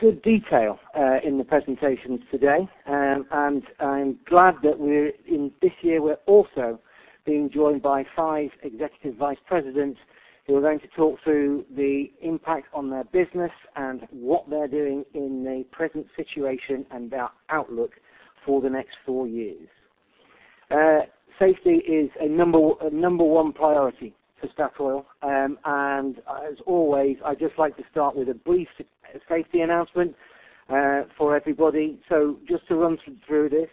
Good detail in the presentations today. I'm glad that we're in this year, we're also being joined by five executive vice presidents who are going to talk through the impact on their business and what they're doing in the present situation and their outlook for the next four years. Safety is a number one priority for. As always, I'd just like to start with a brief safety announcement for everybody. Just to run through this.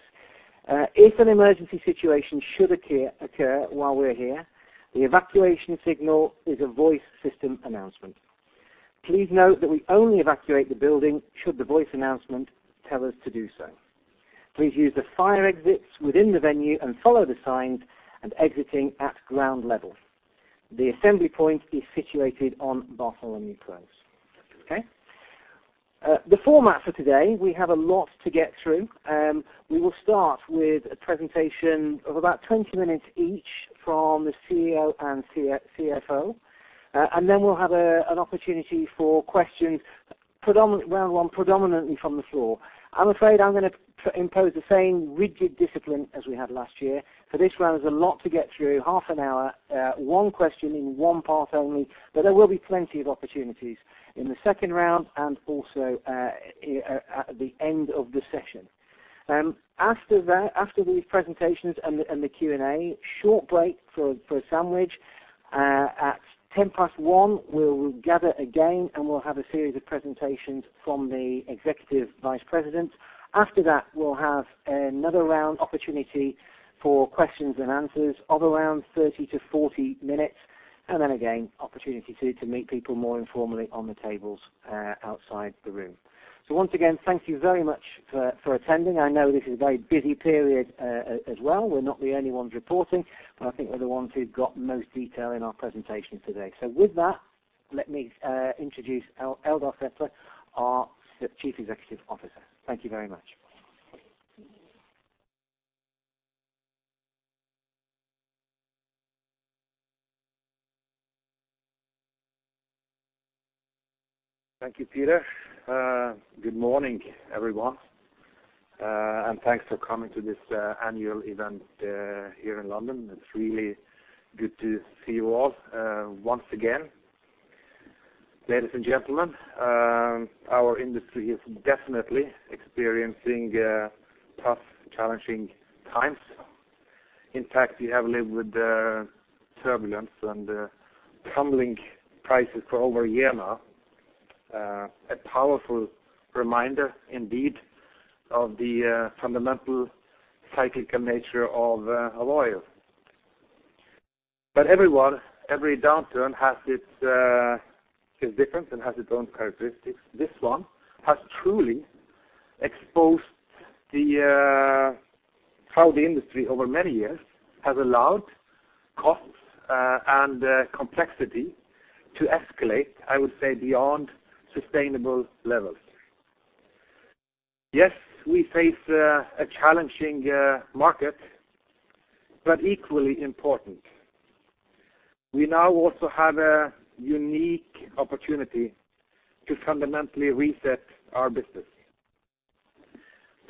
If an emergency situation should occur while we're here, the evacuation signal is a voice system announcement. Please note that we only evacuate the building should the voice announcement tell us to do so. Please use the fire exits within the venue and follow the signs and exiting at ground level. The assembly point is situated on Bartholomew Close. Okay. The format for today, we have a lot to get through. We will start with a presentation of about 20 minutes each from the CEO and CFO. Then we'll have an opportunity for questions, round one predominantly from the floor. I'm afraid I'm gonna impose the same rigid discipline as we had last year. For this round, there's a lot to get through. Half an hour, one question in one part only. There will be plenty of opportunities in the second round and also at the end of the session. After that, after these presentations and the Q&A, short break for a sandwich. At 1:10 P.M., we'll gather again, and we'll have a series of presentations from the executive vice presidents. After that, we'll have another round opportunity for questions and answers of around 30-40 minutes. Then again, opportunity to meet people more informally around the tables outside the room. Once again, thank you very much for attending. I know this is a very busy period as well. We're not the only ones reporting, but I think we're the ones who've got most detail in our presentations today. With that, let me introduce Eldar Sætre, our Chief Executive Officer. Thank you very much. Thank you, Peter. Good morning, everyone, and thanks for coming to this annual event here in London. It's really good to see you all once again. Ladies and gentlemen, our industry is definitely experiencing tough, challenging times. In fact, we have lived with the turbulence and tumbling prices for over a year now. A powerful reminder indeed of the fundamental cyclical nature of oil. Every downturn is different and has its own characteristics. This one has truly exposed how the industry over many years has allowed costs and complexity to escalate, I would say, beyond sustainable levels. Yes, we face a challenging market, but equally important, we now also have a unique opportunity to fundamentally reset our business.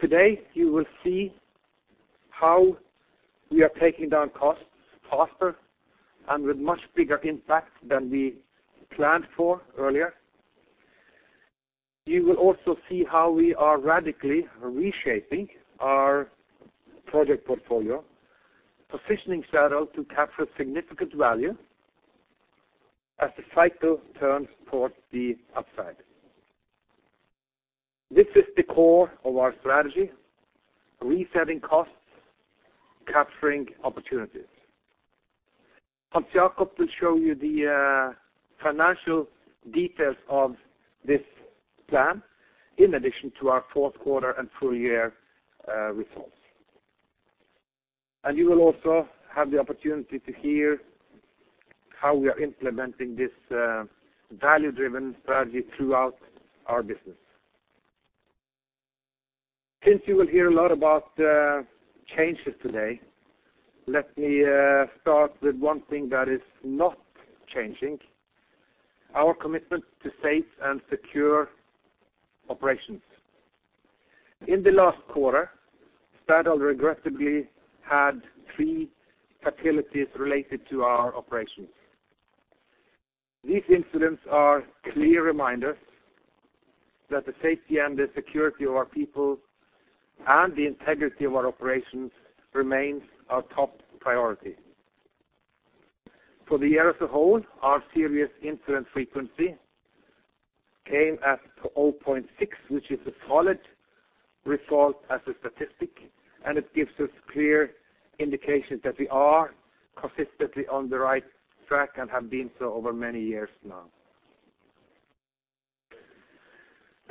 Today, you will see how we are taking down costs faster and with much bigger impact than we planned for earlier. You will also see how we are radically reshaping our project portfolio, positioning Equinor to capture significant value as the cycle turns towards the upside. This is the core of our strategy, resetting costs, capturing opportunities. Hans Jakob will show you the financial details of this plan in addition to our Q4 and full year results. You will also have the opportunity to hear how we are implementing this value-driven strategy throughout our business. Since you will hear a lot about changes today, let me start with one thing that is not changing: our commitment to safe and secure operations. In the last quarter, Equinor regrettably had three fatalities related to our operations. These incidents are clear reminders that the safety and the security of our people and the integrity of our operations remains our top priority. For the year as a whole, our serious incident frequency came in at 0.6, which is a solid result as a statistic, and it gives us clear indications that we are consistently on the right track and have been so over many years now.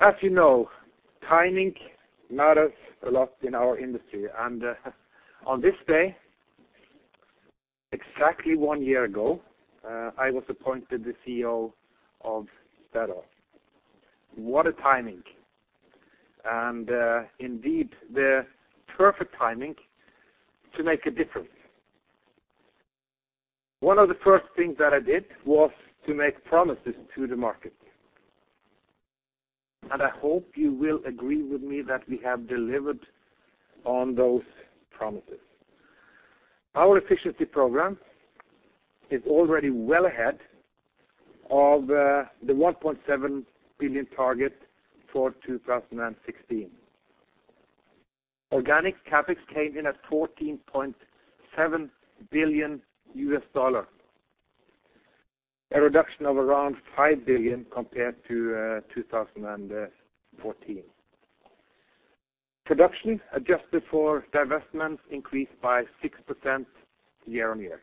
As you know, timing matters a lot in our industry. On this day, exactly one year ago, I was appointed the CEO of Statoil. What a timing. Indeed, the perfect timing to make a difference. One of the first things that I did was to make promises to the market. I hope you will agree with me that we have delivered on those promises. Our efficiency program is already well ahead of the 1.7 billion target for 2016. Organic CapEx came in at $14.7 billion, a reduction of around $5 billion compared to 2014. Production adjusted for divestments increased by 6% year-on-year.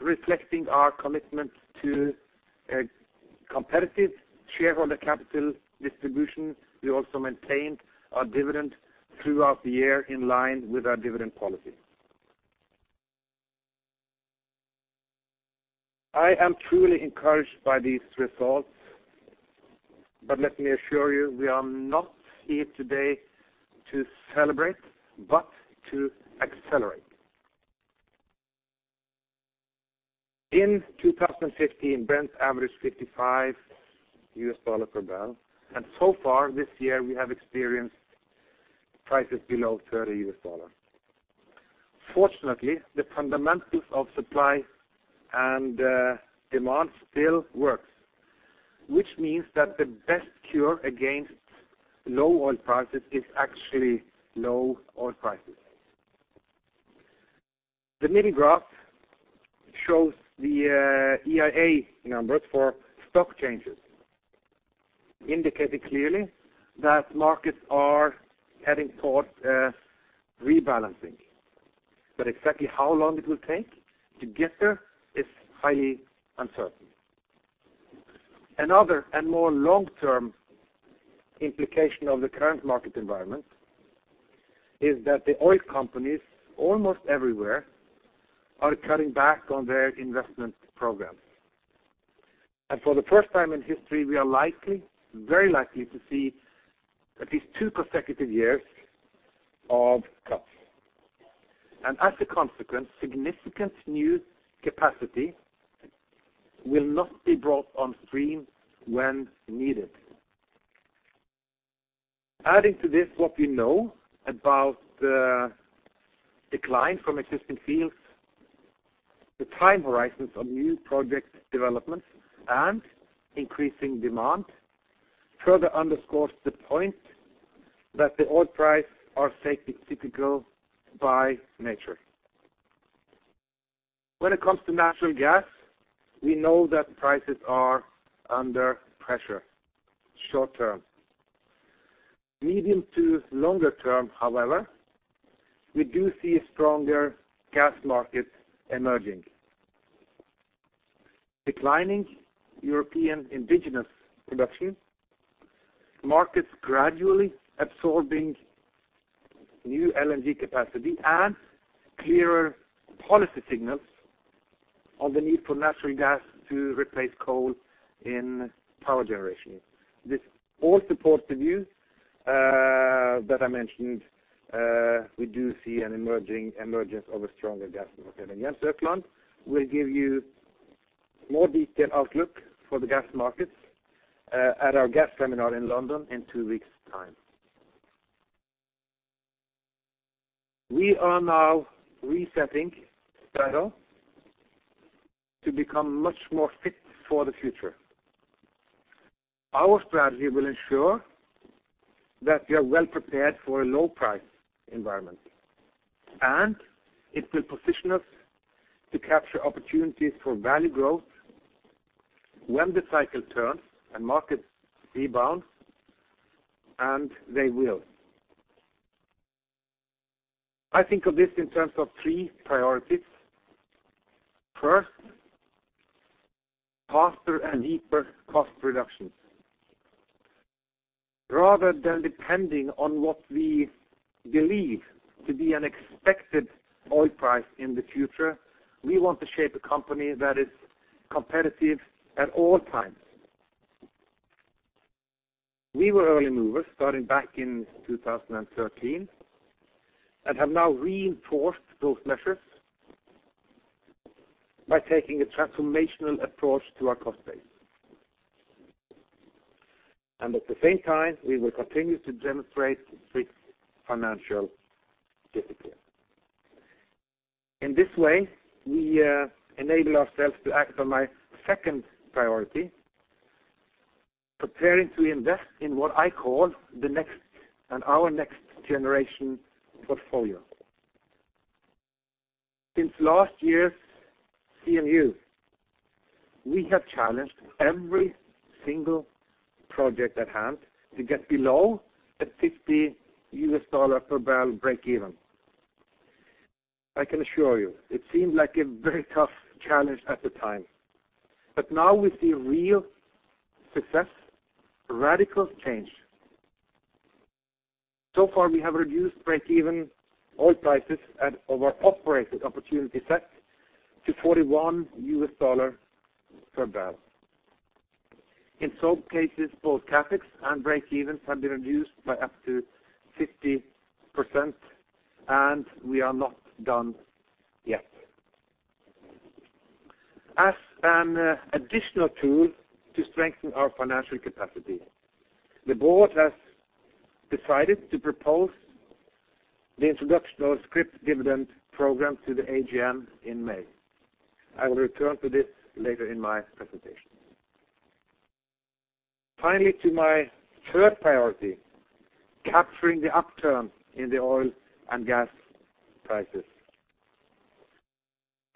Reflecting our commitment to a competitive shareholder capital distribution, we also maintained our dividend throughout the year in line with our dividend policy. I am truly encouraged by these results, but let me assure you, we are not here today to celebrate, but to accelerate. In 2015, Brent averaged $55 per barrel, and so far this year we have experienced prices below $30. Fortunately, the fundamentals of supply and demand still works, which means that the best cure against low oil prices is actually low oil prices. The mini graph shows the EIA numbers for stock changes, indicating clearly that markets are heading toward a rebalancing. Exactly how long it will take to get there is highly uncertain. Another and more long-term implication of the current market environment is that the oil companies almost everywhere are cutting back on their investment programs. For the first time in history, we are likely, very likely to see at least two consecutive years of cuts. As a consequence, significant new capacity will not be brought on stream when needed. Adding to this what we know about the decline from existing fields, the time horizons on new project developments and increasing demand further underscores the point that the oil price are cyclical by nature. When it comes to natural gas, we know that prices are under pressure short term. Medium to longer term, however, we do see stronger gas markets emerging. Declining European indigenous production, markets gradually absorbing new LNG capacity and clearer policy signals on the need for natural gas to replace coal in power generation. This all supports the view that I mentioned, we do see an emergence of a stronger gas market. Tor Martin Anfinnsen will give you more detailed outlook for the gas markets at our gas seminar in London in two weeks' time. We are now resetting Equinor to become much more fit for the future. Our strategy will ensure that we are well prepared for a low price environment, and it will position us to capture opportunities for value growth when the cycle turns and markets rebound, and they will. I think of this in terms of three priorities. First, faster and deeper cost reductions. Rather than depending on what we believe to be an expected oil price in the future, we want to shape a company that is competitive at all times. We were early movers starting back in 2013 and have now reinforced those measures by taking a transformational approach to our cost base. At the same time, we will continue to demonstrate strict financial discipline. In this way, we enable ourselves to act on my second priority, preparing to invest in what I call the next and our next generation portfolio. Since last year's CMU, we have challenged every single project at hand to get below the $50 per barrel breakeven. I can assure you it seemed like a very tough challenge at the time, but now we see real success, radical change. Far, we have reduced breakeven oil prices at our operated opportunity set to $41 per barrel. In some cases, both CapEx and breakevens have been reduced by up to 50%, and we are not done yet. As an additional tool to strengthen our financial capacity, the board has decided to propose the introduction of scrip dividend program to the AGM in May. I will return to this later in my presentation. Finally, to my third priority, capturing the upturn in the oil and gas prices.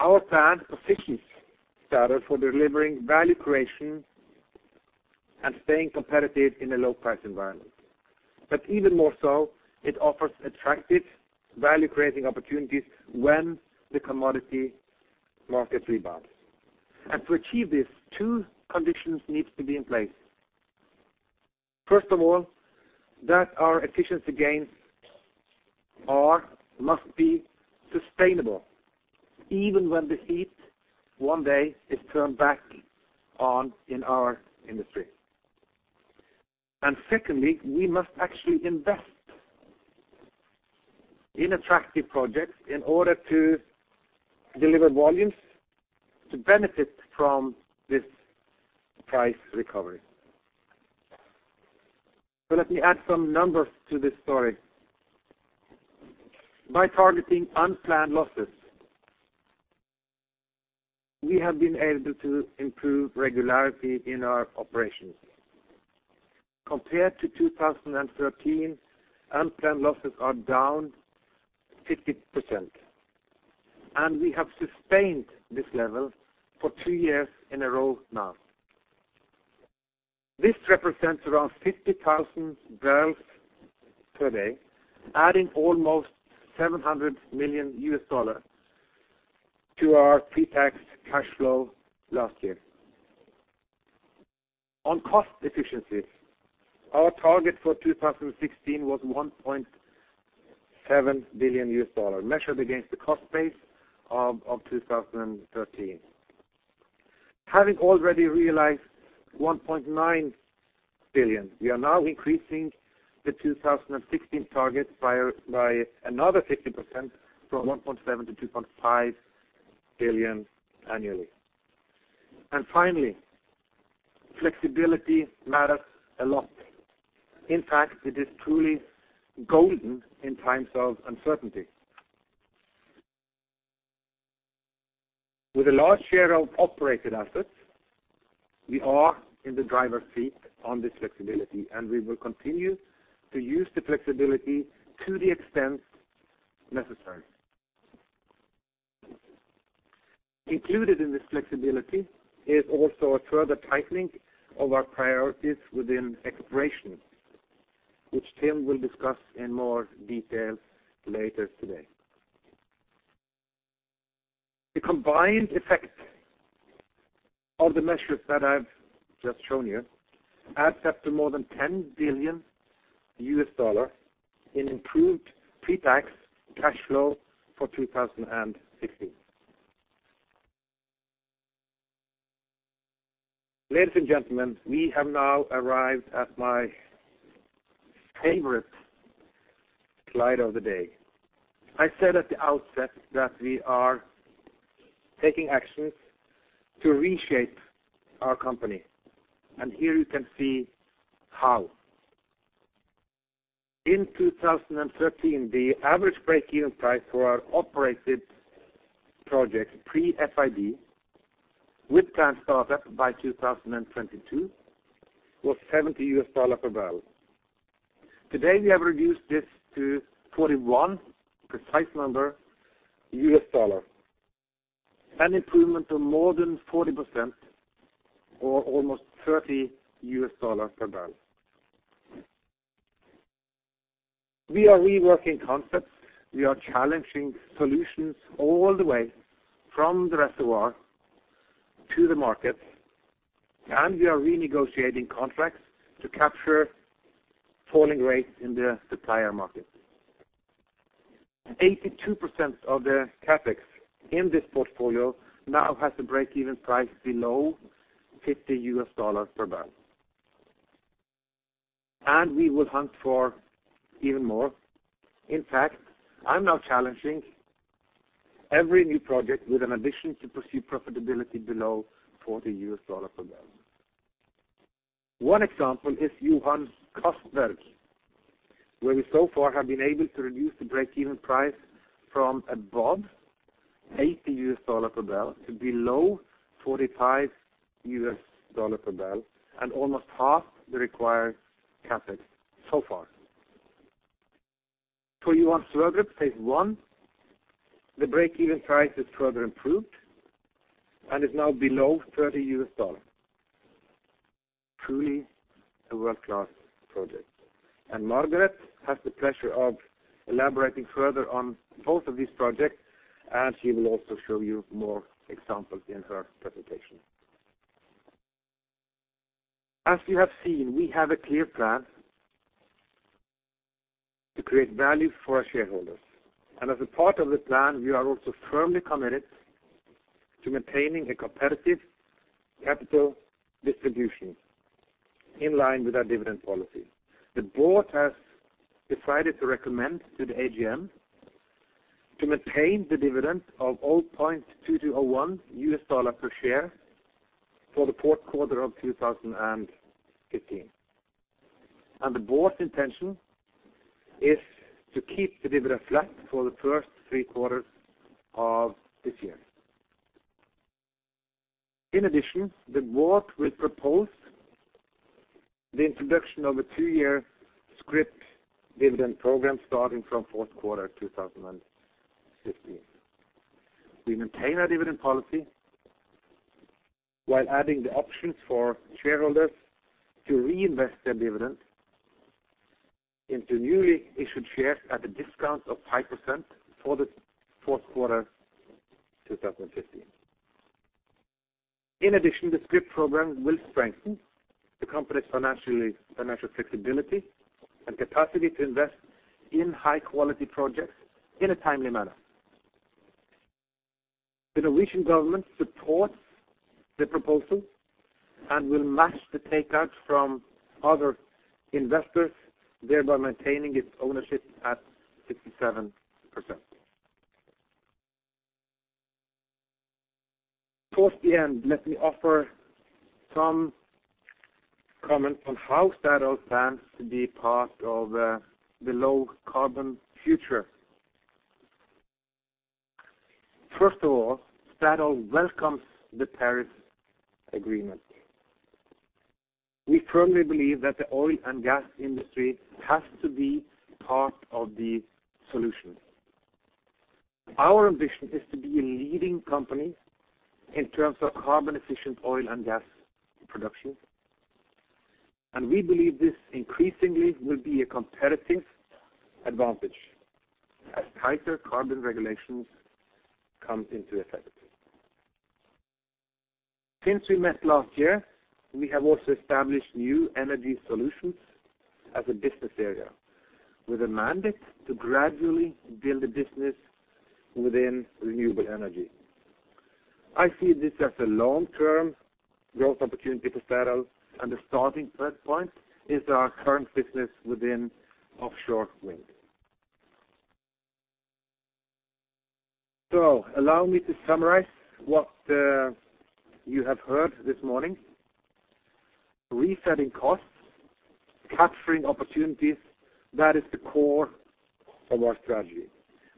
Our plan for efficiency starts to deliver value creation and staying competitive in a low-price environment. Even more so, it offers attractive value-creating opportunities when the commodity market rebounds. To achieve this, two conditions needs to be in place. First of all, that our efficiency gains must be sustainable, even when the heat one day is turned back on in our industry. Secondly, we must actually invest in attractive projects in order to deliver volumes to benefit from this price recovery. Let me add some numbers to this story. By targeting unplanned losses, we have been able to improve regularity in our operations. Compared to 2013, unplanned losses are down 50%, and we have sustained this level for two years in a row now. This represents around 50,000 barrels per day, adding almost $700 million to our pretax cash flow last year. On cost efficiencies, our target for 2016 was $1.7 billion measured against the cost base of 2013. Having already realized $1.9 billion, we are now increasing the 2016 target by another 50% from $1.7 billion to $2.5 billion annually. Finally, flexibility matters a lot. In fact, it is truly golden in times of uncertainty. With a large share of operated assets, we are in the driver's seat on this flexibility, and we will continue to use the flexibility to the extent necessary. Included in this flexibility is also a further tightening of our priorities within exploration, which Tim will discuss in more detail later today. The combined effect of the measures that I've just shown you adds up to more than $10 billion in improved pretax cash flow for 2016. Ladies and gentlemen, we have now arrived at my favorite slide of the day. I said at the outset that we are taking actions to reshape our company, and here you can see how. In 2013, the average breakeven price for our operated projects pre-FID, with planned startup by 2022, was $70 per barrel. Today, we have reduced this to $41, precise number, an improvement of more than 40% or almost $30 per barrel. We are reworking concepts. We are challenging solutions all the way from the reservoir to the market, and we are renegotiating contracts to capture falling rates in the supplier market. 82% of the CapEx in this portfolio now has a breakeven price below $50 per barrel, and we will hunt for even more. In fact, I'm now challenging every new project with an ambition to pursue profitability below $40 per barrel. One example is Johan Castberg, where we so far have been able to reduce the breakeven price from above $80 per barrel to below $45 per barrel and almost half the required CapEx so far. For Johan Sverdrup Phase one, the breakeven price is further improved and is now below $30. Truly a world-class project. Margareth has the pleasure of elaborating further on both of these projects, and she will also show you more examples in her presentation. As you have seen, we have a clear plan to create value for our shareholders. As a part of the plan, we are also firmly committed to maintaining a competitive capital distribution in line with our dividend policy. The board has decided to recommend to the AGM to maintain the dividend of $0.2201 per share for the Q4 of 2015. The board's intention is to keep the dividend flat for the first three quarters of this year. In addition, the board will propose the introduction of a two-year scrip dividend program starting from Q4 2015. We maintain our dividend policy while adding the options for shareholders to reinvest their dividends into newly issued shares at a discount of 5% for the Q4 2015. In addition, the scrip program will strengthen the company's financial flexibility and capacity to invest in high-quality projects in a timely manner. The Norwegian government supports the proposal and will match the takeout from other investors, thereby maintaining its ownership at 67%. Towards the end, let me offer some comment on how Statoil plans to be part of the low carbon future. First of all, Statoil welcomes the Paris Agreement. We firmly believe that the oil and gas industry has to be part of the solution. Our ambition is to be a leading company in terms of carbon efficient oil and gas production, and we believe this increasingly will be a competitive advantage as tighter carbon regulations come into effect. Since we met last year, we have also established New Energy Solutions as a business area with a mandate to gradually build a business within renewable energy. I see this as a long-term growth opportunity for Statoil, and the starting point is our current business within offshore wind. Allow me to summarize what you have heard this morning. Resetting costs, capturing opportunities, that is the core of our strategy.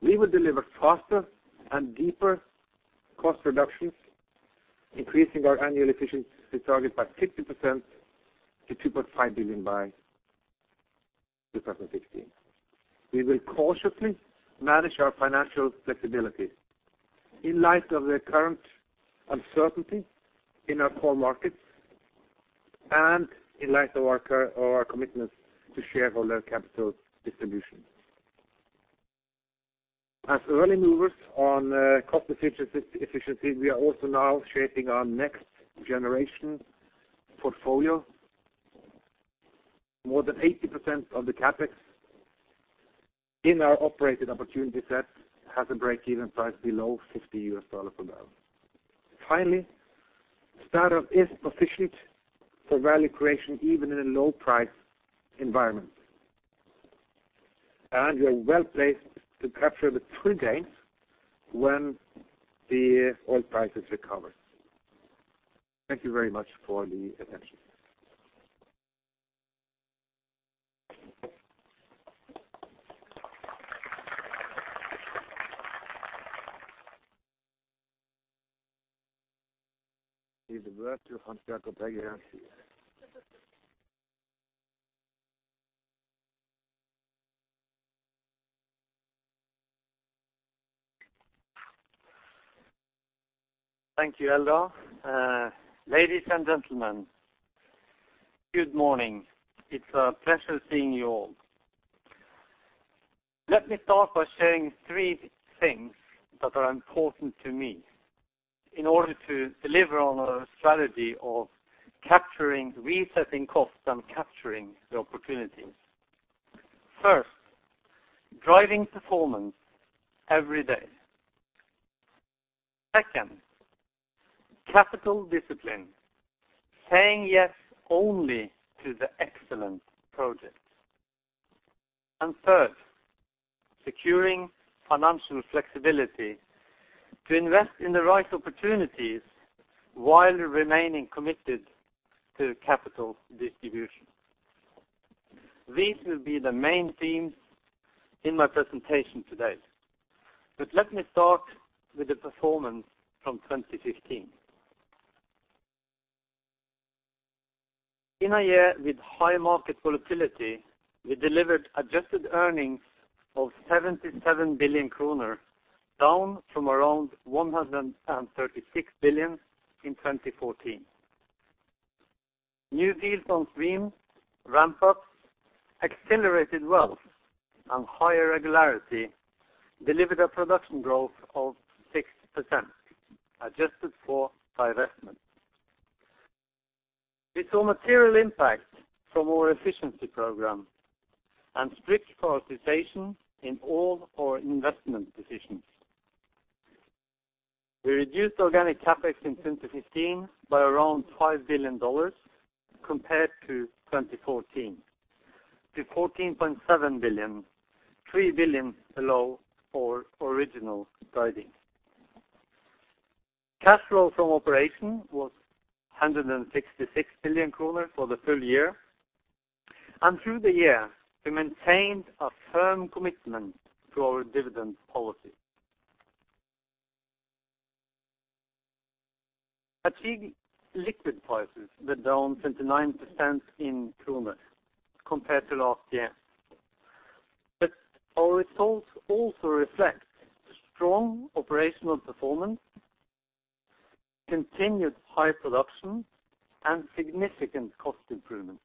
We will deliver faster and deeper cost reductions, increasing our annual efficiency target by 50% to $2.5 billion by 2016. We will cautiously manage our financial flexibility in light of the current uncertainty in our core markets and in light of our commitment to shareholder capital distribution. As early movers on cost efficiency, we are also now shaping our next generation portfolio. More than 80% of the CapEx in our operated opportunity set has a break-even price below $50 per barrel. Finally, Statoil is positioned for value creation even in a low price environment. We are well-placed to capture the gains when the oil prices recover. Thank you very much for the attention. I would like to ask Jakob to take it. Thank you, Eldar. Ladies and gentlemen, good morning. It's a pleasure seeing you all. Let me start by sharing three things that are important to me in order to deliver on our strategy of capturing, resetting costs and capturing the opportunities. First, driving performance every day. Second, capital discipline, saying yes only to the excellent projects. And third, securing financial flexibility to invest in the right opportunities while remaining committed to capital distribution. These will be the main themes in my presentation today. Let me start with the performance from 2015. In a year with high market volatility, we delivered adjusted earnings of 77 billion kroner, down from around 136 billion in 2014. New deals on stream ramp up accelerated wells, and higher regularity delivered a production growth of 6%, adjusted for divestment. We saw material impact from our efficiency program and strict prioritization in all our investment decisions. We reduced organic CapEx in 2015 by around $5 billion compared to 2014 to $14.7 billion, $3 billion below our original guidance. Cash flow from operations was 166 billion kroner for the full year. Through the year, we maintained a firm commitment to our dividend policy. Average liquids prices were down 29% in kroner compared to last year. Our results also reflect the strong operational performance, continued high production, and significant cost improvements.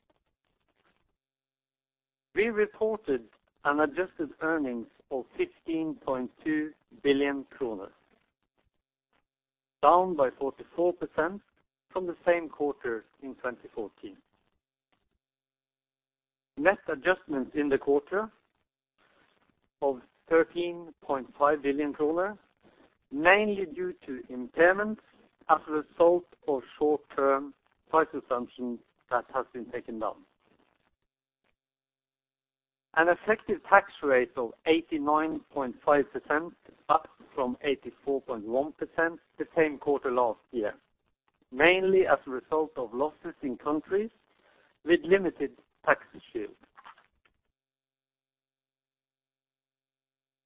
We reported an adjusted earnings of 15.2 billion kroner, down by 44% from the same quarter in 2014. Net adjustments in the quarter of 13.5 billion kroner, mainly due to impairments as a result of short-term price assumptions that have been taken down. An effective tax rate of 89.5%, up from 84.1% the same quarter last year, mainly as a result of losses in countries with limited tax shield.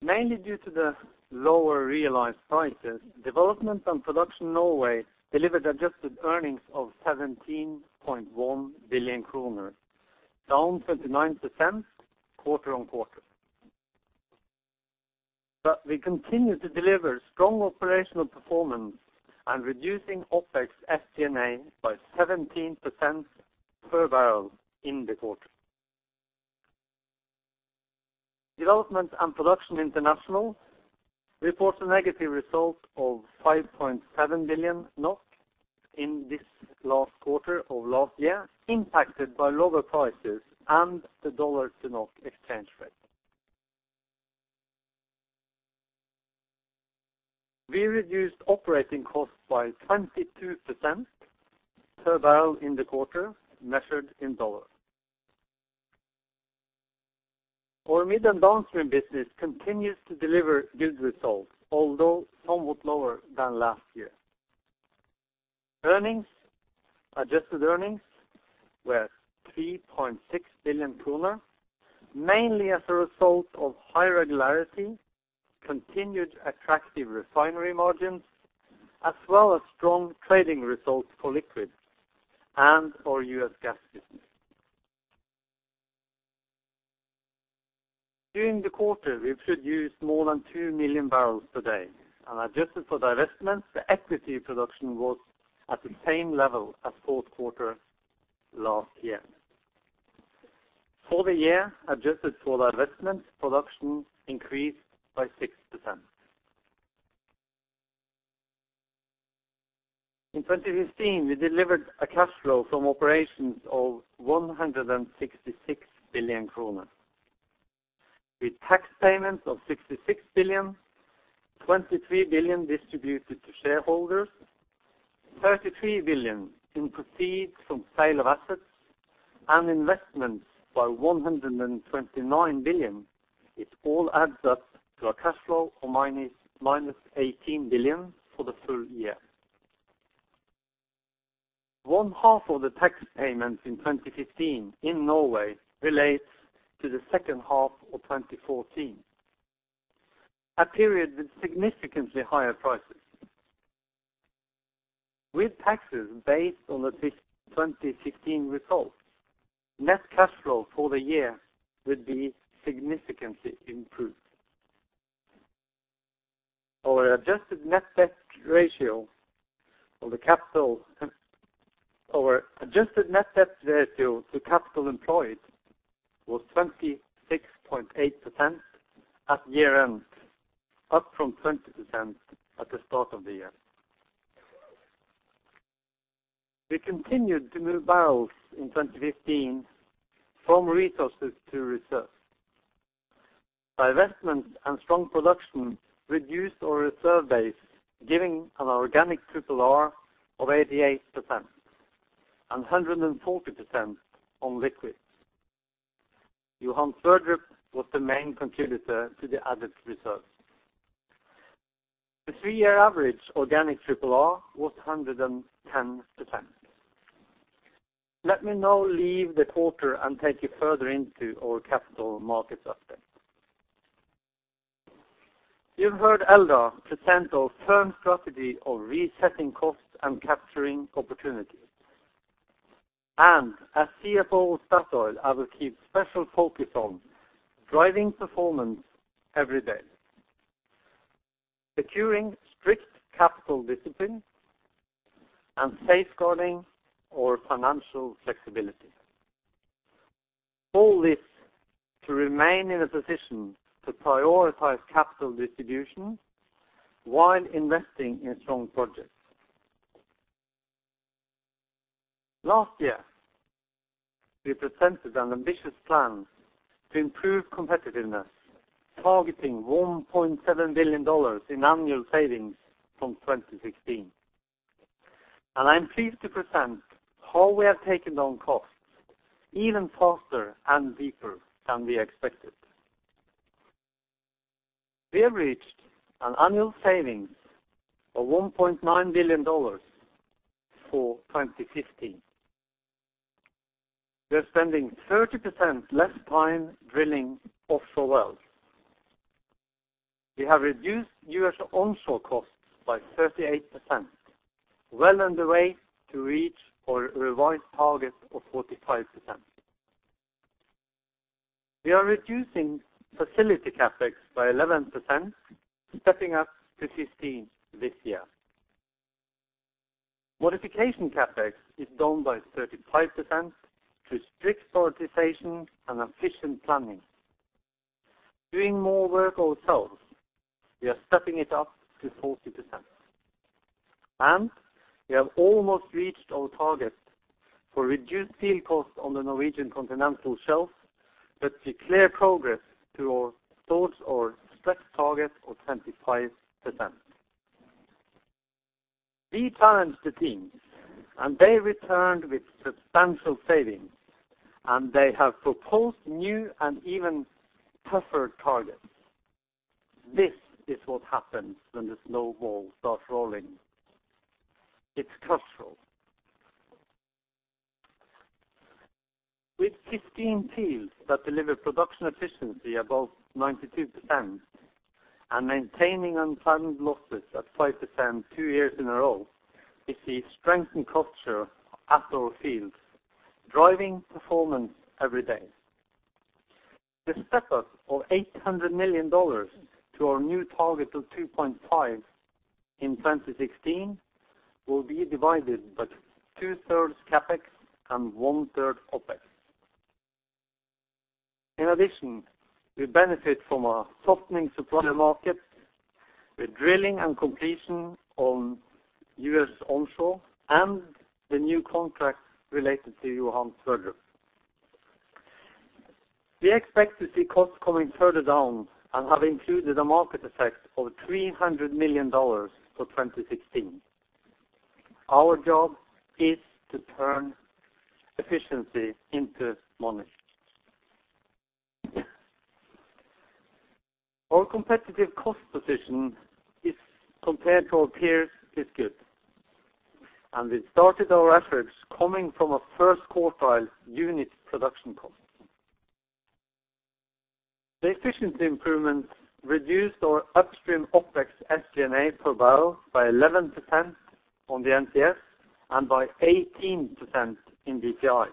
Mainly due to the lower realized prices, Development and Production Norway delivered adjusted earnings of 17.1 billion kroner, down 29% quarter-on-quarter. We continue to deliver strong operational performance and reducing OpEx FCNA by 17% per barrel in the quarter. Development and Production International reports a negative result of 5.7 billion NOK in this last quarter of last year, impacted by lower prices and the dollar to NOK exchange rate. We reduced operating costs by 22% per barrel in the quarter measured in $. Our mid and downstream business continues to deliver good results, although somewhat lower than last year. Earnings, adjusted earnings were 3.6 billion, mainly as a result of high regularity, continued attractive refinery margins, as well as strong trading results for liquids and our U.S. gas business. During the quarter, we produced more than 2 million barrels per day. Adjusted for divestments, the equity production was at the same level as Q4 last year. For the year, adjusted for divestments, production increased by 6%. In 2015, we delivered a cash flow from operations of 166 billion kroner. With tax payments of 66 billion, 23 billion distributed to shareholders, 33 billion in proceeds from sale of assets, and investments by 129 billion, it all adds up to a cash flow of -18 billion for the full year. One half of the tax payments in 2015 in Norway relates to the second half of 2014, a period with significantly higher prices. With taxes based on the 2016 results, net cash flow for the year would be significantly improved. Our adjusted net debt ratio to capital employed was 26.8% at year-end, up from 20% at the start of the year. We continued to move barrels in 2015 from resources to reserve. Divestments and strong production reduced our reserve base, giving an organic triple R of 88%, and 140% on liquids. Johan Sverdrup was the main contributor to the added reserves. The three-year average organic triple R was 110%. Let me now leave the quarter and take you further into our capital markets update. You've heard Eldar present our firm strategy of resetting costs and capturing opportunities. As CFO of Statoil, I will keep special focus on driving performance every day, securing strict capital discipline, and safeguarding our financial flexibility. All this to remain in a position to prioritize capital distribution while investing in strong projects. Last year, we presented an ambitious plan to improve competitiveness, targeting $1.7 billion in annual savings from 2016. I'm pleased to present how we have taken down costs even faster and deeper than we expected. We have reached an annual savings of $1.9 billion for 2015. We are spending 30% less time drilling offshore wells. We have reduced U.S. onshore costs by 38%, well underway to reach our revised target of 45%. We are reducing facility CapEx by 11%, stepping up to 15% this year. Modification CapEx is down by 35% through strict prioritization and efficient planning. Doing more work ourselves, we are stepping it up to 40%. We have almost reached our target for reduced field costs on the Norwegian Continental Shelf, declaring progress towards our stretched target of 25%. We challenged the teams and they returned with substantial savings, and they have proposed new and even tougher targets. This is what happens when the snowball starts rolling. It's cultural. With 15 fields that deliver production efficiency above 92% and maintaining unplanned losses at 5% two years in a row, we see strengthened culture at our fields, driving performance every day. The step-up of $800 million to our new target of 2.5 in 2016 will be divided by two-thirds CapEx and one-third OpEx. In addition, we benefit from a softening supplier market with drilling and completion on U.S. onshore and the new contracts related to Johan Sverdrup. We expect to see costs coming further down and have included a market effect of $300 million for 2016. Our job is to turn efficiency into money. Our competitive cost position compared to our peers is good, and we started our efforts coming from a first quartile unit production cost. The efficiency improvements reduced our upstream OpEx SG&A per barrel by 11% on the NCS and by 18% in DPI.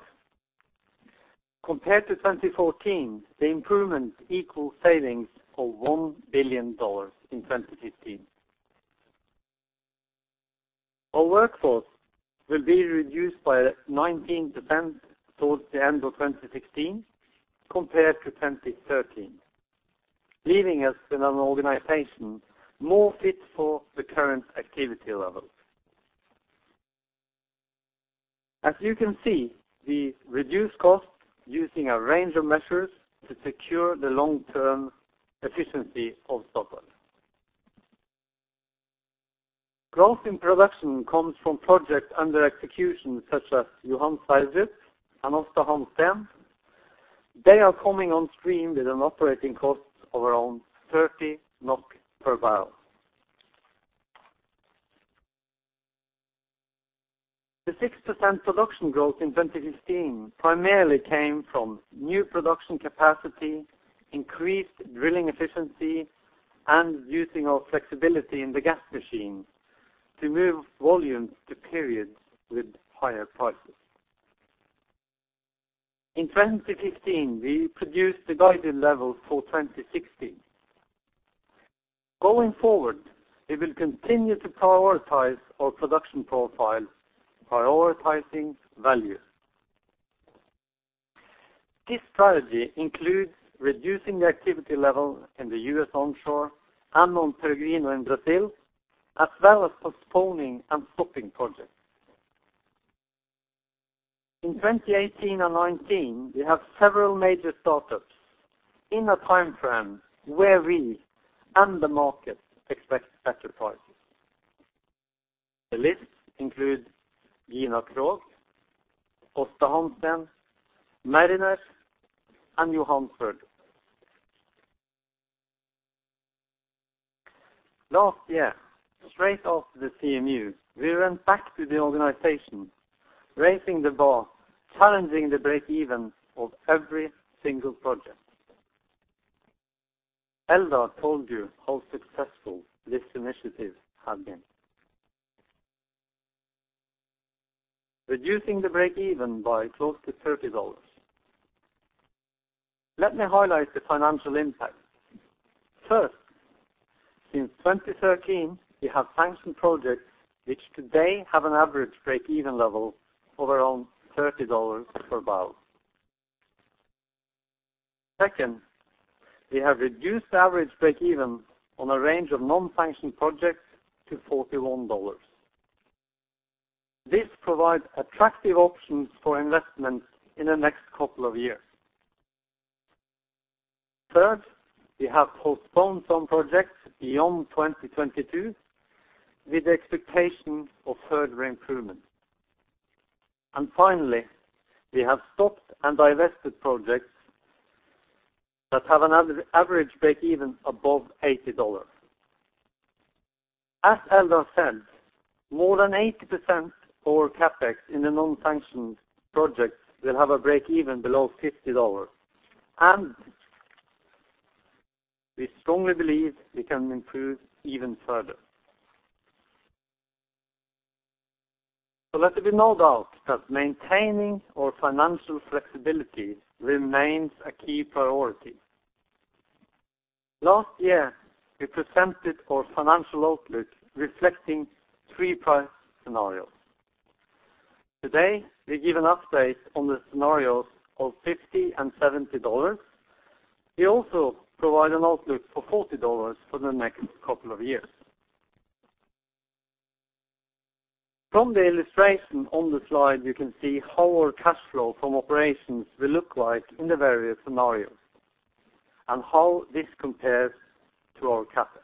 Compared to 2014, the improvements equal savings of $1 billion in 2015. Our workforce will be reduced by 19% towards the end of 2016 compared to 2013, leaving us in an organization more fit for the current activity levels. As you can see, we reduce costs using a range of measures to secure the long-term efficiency of Statoil. Growth in production comes from projects under execution such as Johan Sverdrup and Aasta Hansteen. They are coming on stream with an operating cost of around 30 NOK per barrel. The 6% production growth in 2015 primarily came from new production capacity, increased drilling efficiency, and using our flexibility in the gas machine to move volumes to periods with higher prices. In 2015, we produced the guided levels for 2016. Going forward, we will continue to prioritize our production profile, prioritizing value. This strategy includes reducing the activity level in the U.S. onshore and on Peregrino in Brazil, as well as postponing and stopping projects. In 2018 and 2019, we have several major startups in a time frame where we and the market expect better prices. The list includes Gina Krog, Aasta Hansteen, Mariner, and Johan Sverdrup. Last year, straight after the CMU, we went back to the organization, raising the bar, challenging the break-even of every single project. Eldar told you how successful this initiative has been. Reducing the break-even by close to $30. Let me highlight the financial impact. First, in 2013, we have sanctioned projects which today have an average break-even level of around $30 per barrel. Second, we have reduced average break-even on a range of non-sanctioned projects to $41. This provides attractive options for investments in the next couple of years. Third, we have postponed some projects beyond 2022 with the expectation of further improvement. Finally, we have stopped and divested projects that have an average break-even above $80. As Eldar said, more than 80% of CapEx in the non-sanctioned projects will have a break-even below $50, and we strongly believe we can improve even further. Let there be no doubt that maintaining our financial flexibility remains a key priority. Last year, we presented our financial outlook reflecting three price scenarios. Today, we give an update on the scenarios of $50 and $70. We also provide an outlook for $40 for the next couple of years. From the illustration on the slide, you can see how our cash flow from operations will look like in the various scenarios and how this compares to our CapEx.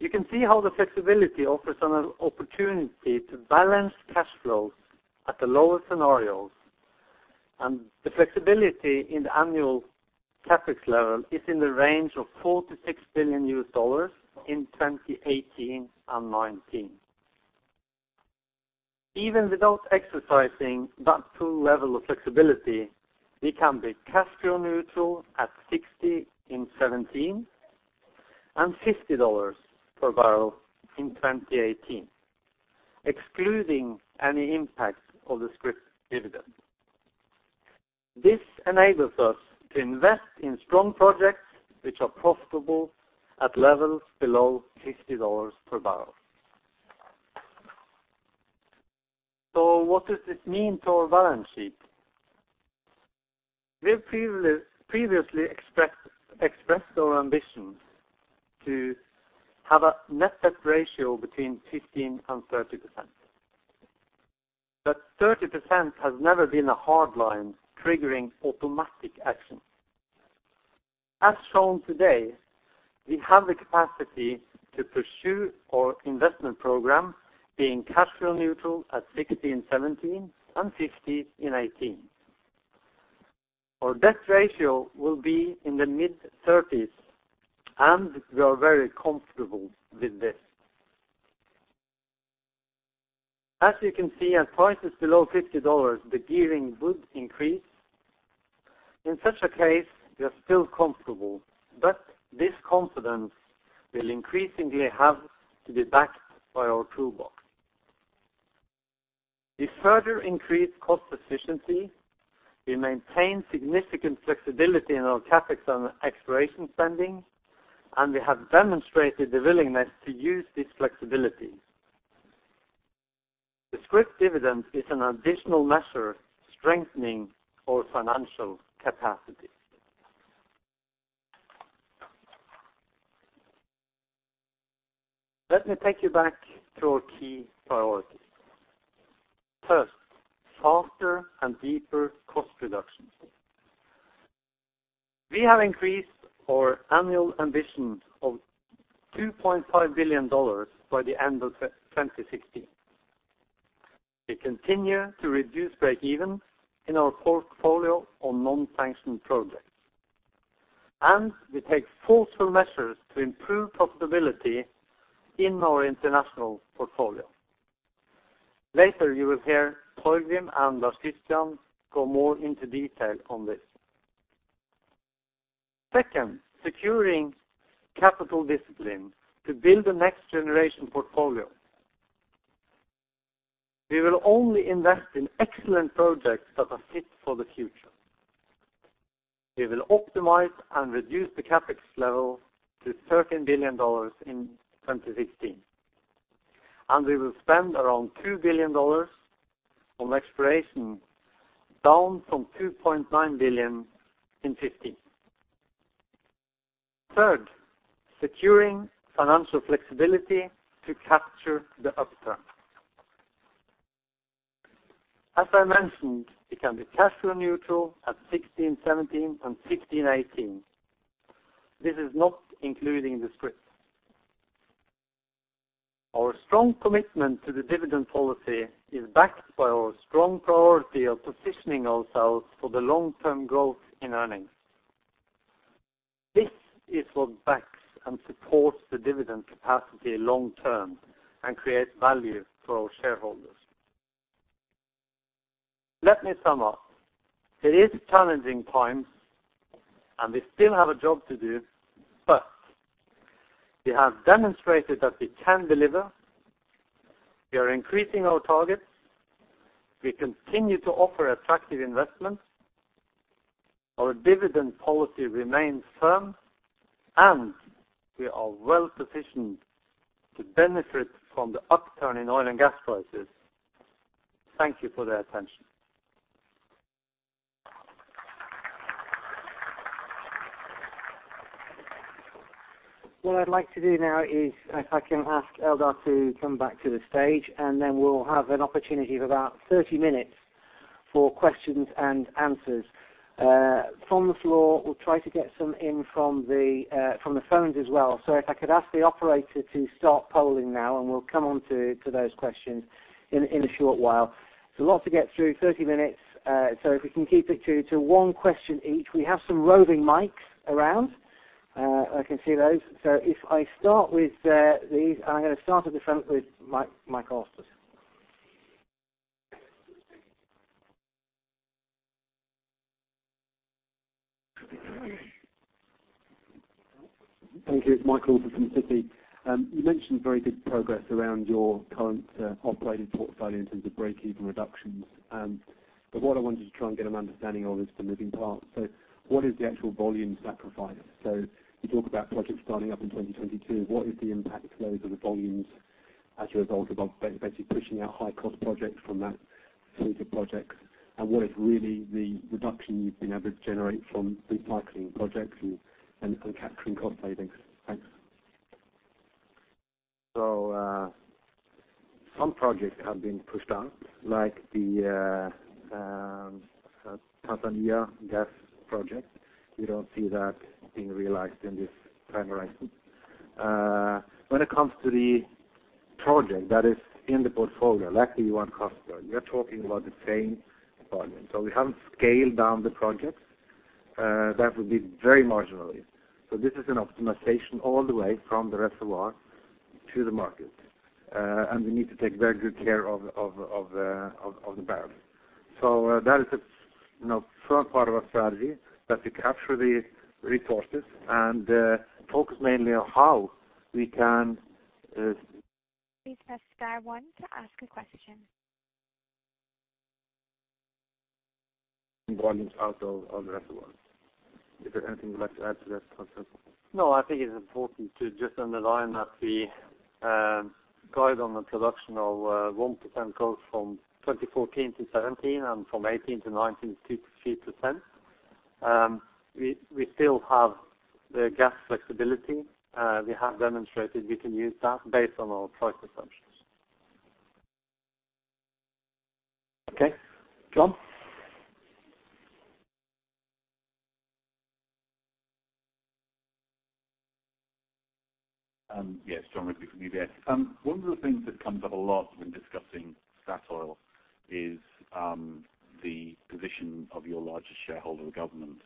You can see how the flexibility offers an opportunity to balance cash flows at the lower scenarios, and the flexibility in the annual CapEx level is in the range of $4-$6 billion in 2018 and 2019. Even without exercising that full level of flexibility, we can be cash flow neutral at $60 in 2017, and $50 per barrel in 2018, excluding any impact of the scrip dividend. This enables us to invest in strong projects which are profitable at levels below $60 per barrel. What does this mean to our balance sheet? We've previously expressed our ambition to have a net debt ratio between 15% and 30%. Thirty percent has never been a hard line triggering automatic action. As shown today, we have the capacity to pursue our investment program being cash flow neutral at 60 in 2017 and 50 in 2018. Our debt ratio will be in the mid-30s, and we are very comfortable with this. As you can see, at prices below $50, the gearing would increase. In such a case, we are still comfortable, but this confidence will increasingly have to be backed by our toolbox. We further increase cost efficiency, we maintain significant flexibility in our CapEx and exploration spending, and we have demonstrated the willingness to use this flexibility. The scrip dividend is an additional measure strengthening our financial capacity. Let me take you back to our key priorities. First, faster and deeper cost reductions. We have increased our annual ambitions of $2.5 billion by the end of 2016. We continue to reduce break-even in our portfolio on non-sanctioned projects, and we take forceful measures to improve profitability in our international portfolio. Later, you will hear Torgrim and Lars Christian go more into detail on this. Second, securing capital discipline to build the next generation portfolio. We will only invest in excellent projects that are fit for the future. We will optimize and reduce the CapEx level to $13 billion in 2016. We will spend around $2 billion on exploration, down from $2.9 billion in 2015. Third, securing financial flexibility to capture the upturn. As I mentioned, we can be cash flow neutral at $16-$17 and $16-$18. This is not including the scrip. Our strong commitment to the dividend policy is backed by our strong priority of positioning ourselves for the long-term growth in earnings. This is what backs and supports the dividend capacity long term and creates value for our shareholders. Let me sum up. It is challenging times, and we still have a job to do, but we have demonstrated that we can deliver. We are increasing our targets. We continue to offer attractive investments. Our dividend policy remains firm, and we are well positioned to benefit from the upturn in oil and gas prices. Thank you for the attention. What I'd like to do now is if I can ask Eldar to come back to the stage, and then we'll have an opportunity of about 30 minutes for questions and answers from the floor. We'll try to get some in from the phones as well. If I could ask the operator to start polling now, and we'll come on to those questions in a short while. There's a lot to get through, 30 minutes, so if we can keep it to one question each. We have some roving mics around. I can see those. If I start with, I'm gonna start at the front with Mike, Michael Alsford. Thank you. It's Michael Alsford from Citi. You mentioned very good progress around your current operating portfolio in terms of break-even reductions. What I wanted to try and get an understanding of is the moving parts. What is the actual volume sacrifice? You talk about projects starting up in 2022. What is the impact of those on the volumes as a result of basically pushing out high cost projects from that suite of projects? What is really the reduction you've been able to generate from recycling projects and capturing cost savings? Thanks. Some projects have been pushed out, like the Tanzania gas project. We don't see that being realized in this time horizon. When it comes to the project that is in the portfolio, like the Johan Castberg, we are talking about the same volume. We haven't scaled down the projects. That would be very marginally. This is an optimization all the way from the reservoir to the market, and we need to take very good care of the barrel. That is the, you know, front part of our strategy that to capture the resources and focus mainly on how we can. Please press star one to ask a question. Volumes out of the reservoir. Is there anything you'd like to add to that, Hans Jakob Hegge? No, I think it's important to just underline that we guide on the production of 1% growth from 2014 to 2017 and from 2018 to 2019, 2%-3%. We still have the gas flexibility. We have demonstrated we can use that based on our price assumptions. Okay. Jon? Yes, Jon Rigby from UBS. One of the things that comes up a lot when discussing Statoil is the position of your largest shareholder government.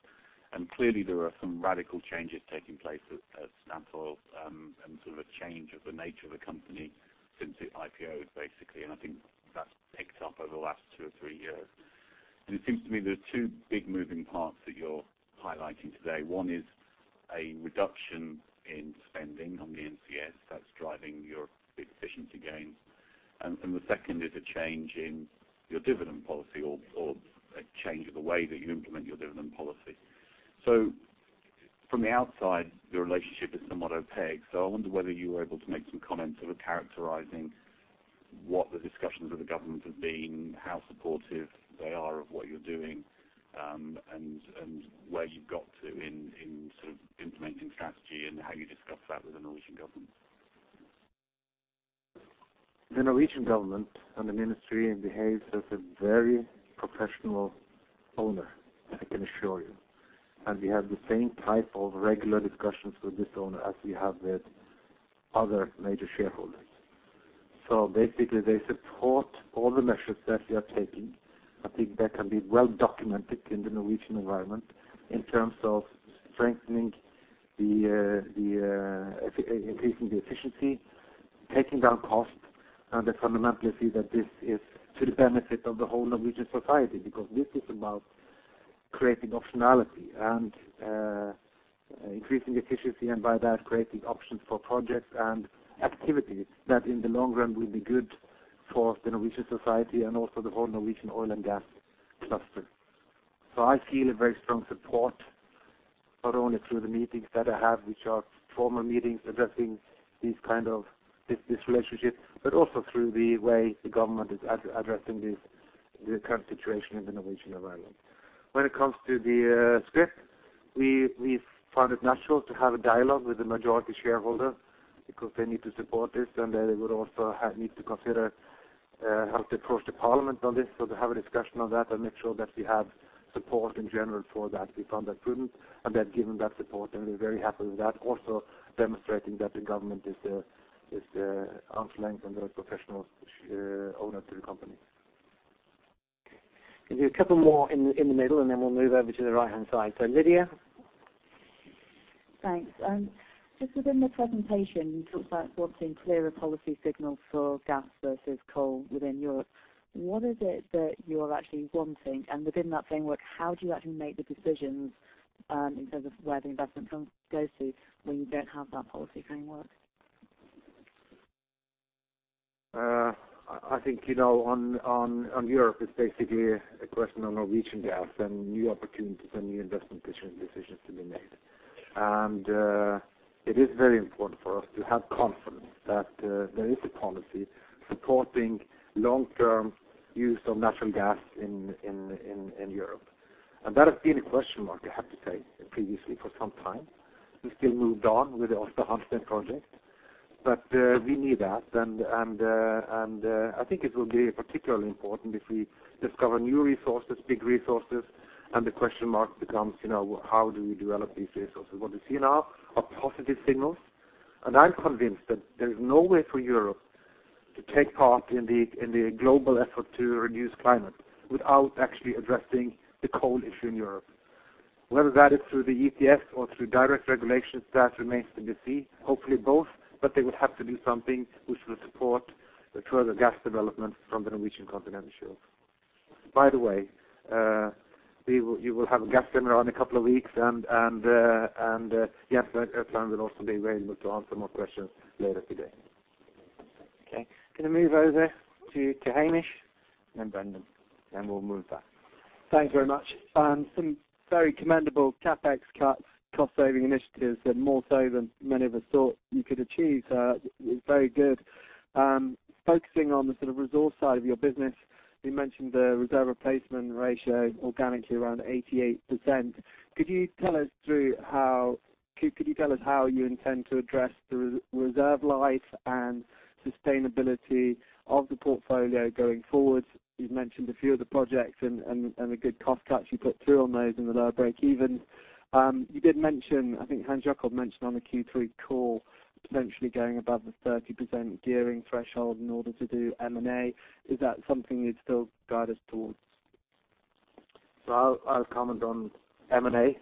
Clearly there are some radical changes taking place at Statoil, and sort of a change of the nature of the company since it IPO'd, basically. I think that's picked up over the last two or three years. It seems to me there are two big moving parts that you're highlighting today. One is a reduction in spending on the NCS that's driving your big efficiency gains. The second is a change in your dividend policy or a change of the way that you implement your dividend policy. From the outside, your relationship is somewhat opaque. I wonder whether you were able to make some comments sort of characterizing what the discussions with the government have been, how supportive they are of what you're doing, and where you've got to in sort of implementing strategy and how you discuss that with the Norwegian government. The Norwegian government and the ministry behave as a very professional owner, I can assure you. We have the same type of regular discussions with this owner as we have with other major shareholders. Basically they support all the measures that we are taking. I think that can be well documented in the Norwegian environment in terms of increasing the efficiency, taking down costs. They fundamentally see that this is to the benefit of the whole Norwegian society, because this is about creating optionality and increasing efficiency and by that creating options for projects and activities that in the long run will be good for the Norwegian society and also the whole Norwegian oil and gas cluster. I feel a very strong support, not only through the meetings that I have, which are formal meetings addressing this kind of relationship, but also through the way the government is addressing this, the current situation in the Norwegian environment. When it comes to the scrip, we found it natural to have a dialogue with the majority shareholder because they need to support this and they would also need to consider how to approach the parliament on this. To have a discussion on that and make sure that we have support in general for that, we found that prudent, and they have given that support, and we're very happy with that. Also demonstrating that the government is an arm's length and very professional owner to the company. There'll be a couple more in the middle, and then we'll move over to the right-hand side. Lydia? Thanks. Just within the presentation, you talked about wanting clearer policy signals for gas versus coal within Europe. What is it that you're actually wanting? Within that framework, how do you actually make the decisions in terms of where the investment funds go to when you don't have that policy framework? I think, you know, on Europe, it's basically a question on Norwegian gas and new opportunities and new investment decisions to be made. It is very important for us to have confidence that there is a policy supporting long-term use of natural gas in Europe. That has been a question mark, I have to say, previously for some time. We still moved on with the Aasta Hansteen project, but we need that. I think it will be particularly important if we discover new resources, big resources, and the question mark becomes, you know, how do we develop these resources? What we see now are positive signals, and I'm convinced that there's no way for Europe to take part in the global effort to reduce climate without actually addressing the coal issue in Europe. Whether that is through the ETS or through direct regulations, that remains to be seen. Hopefully, both, but they would have to do something which will support the further gas development from the Norwegian continental shelves. By the way, you will have a gas seminar in a couple of weeks and yes, but Torunn will also be available to answer more questions later today. Okay. Gonna move over to Hamish and Brendan, then we'll move back. Thanks very much. Some very commendable CapEx cuts, cost-saving initiatives, and more so than many of us thought you could achieve. It's very good. Focusing on the sort of resource side of your business, you mentioned the reserve replacement ratio organically around 88%. Could you tell us how you intend to address the reserve life and sustainability of the portfolio going forward? You've mentioned a few of the projects and the good cost cuts you put through on those and the lower break-even. You did mention, I think Hans Jakob mentioned on the Q3 call, potentially going above the 30% gearing threshold in order to do M&A. Is that something you'd still guide us towards? I'll comment on M&A,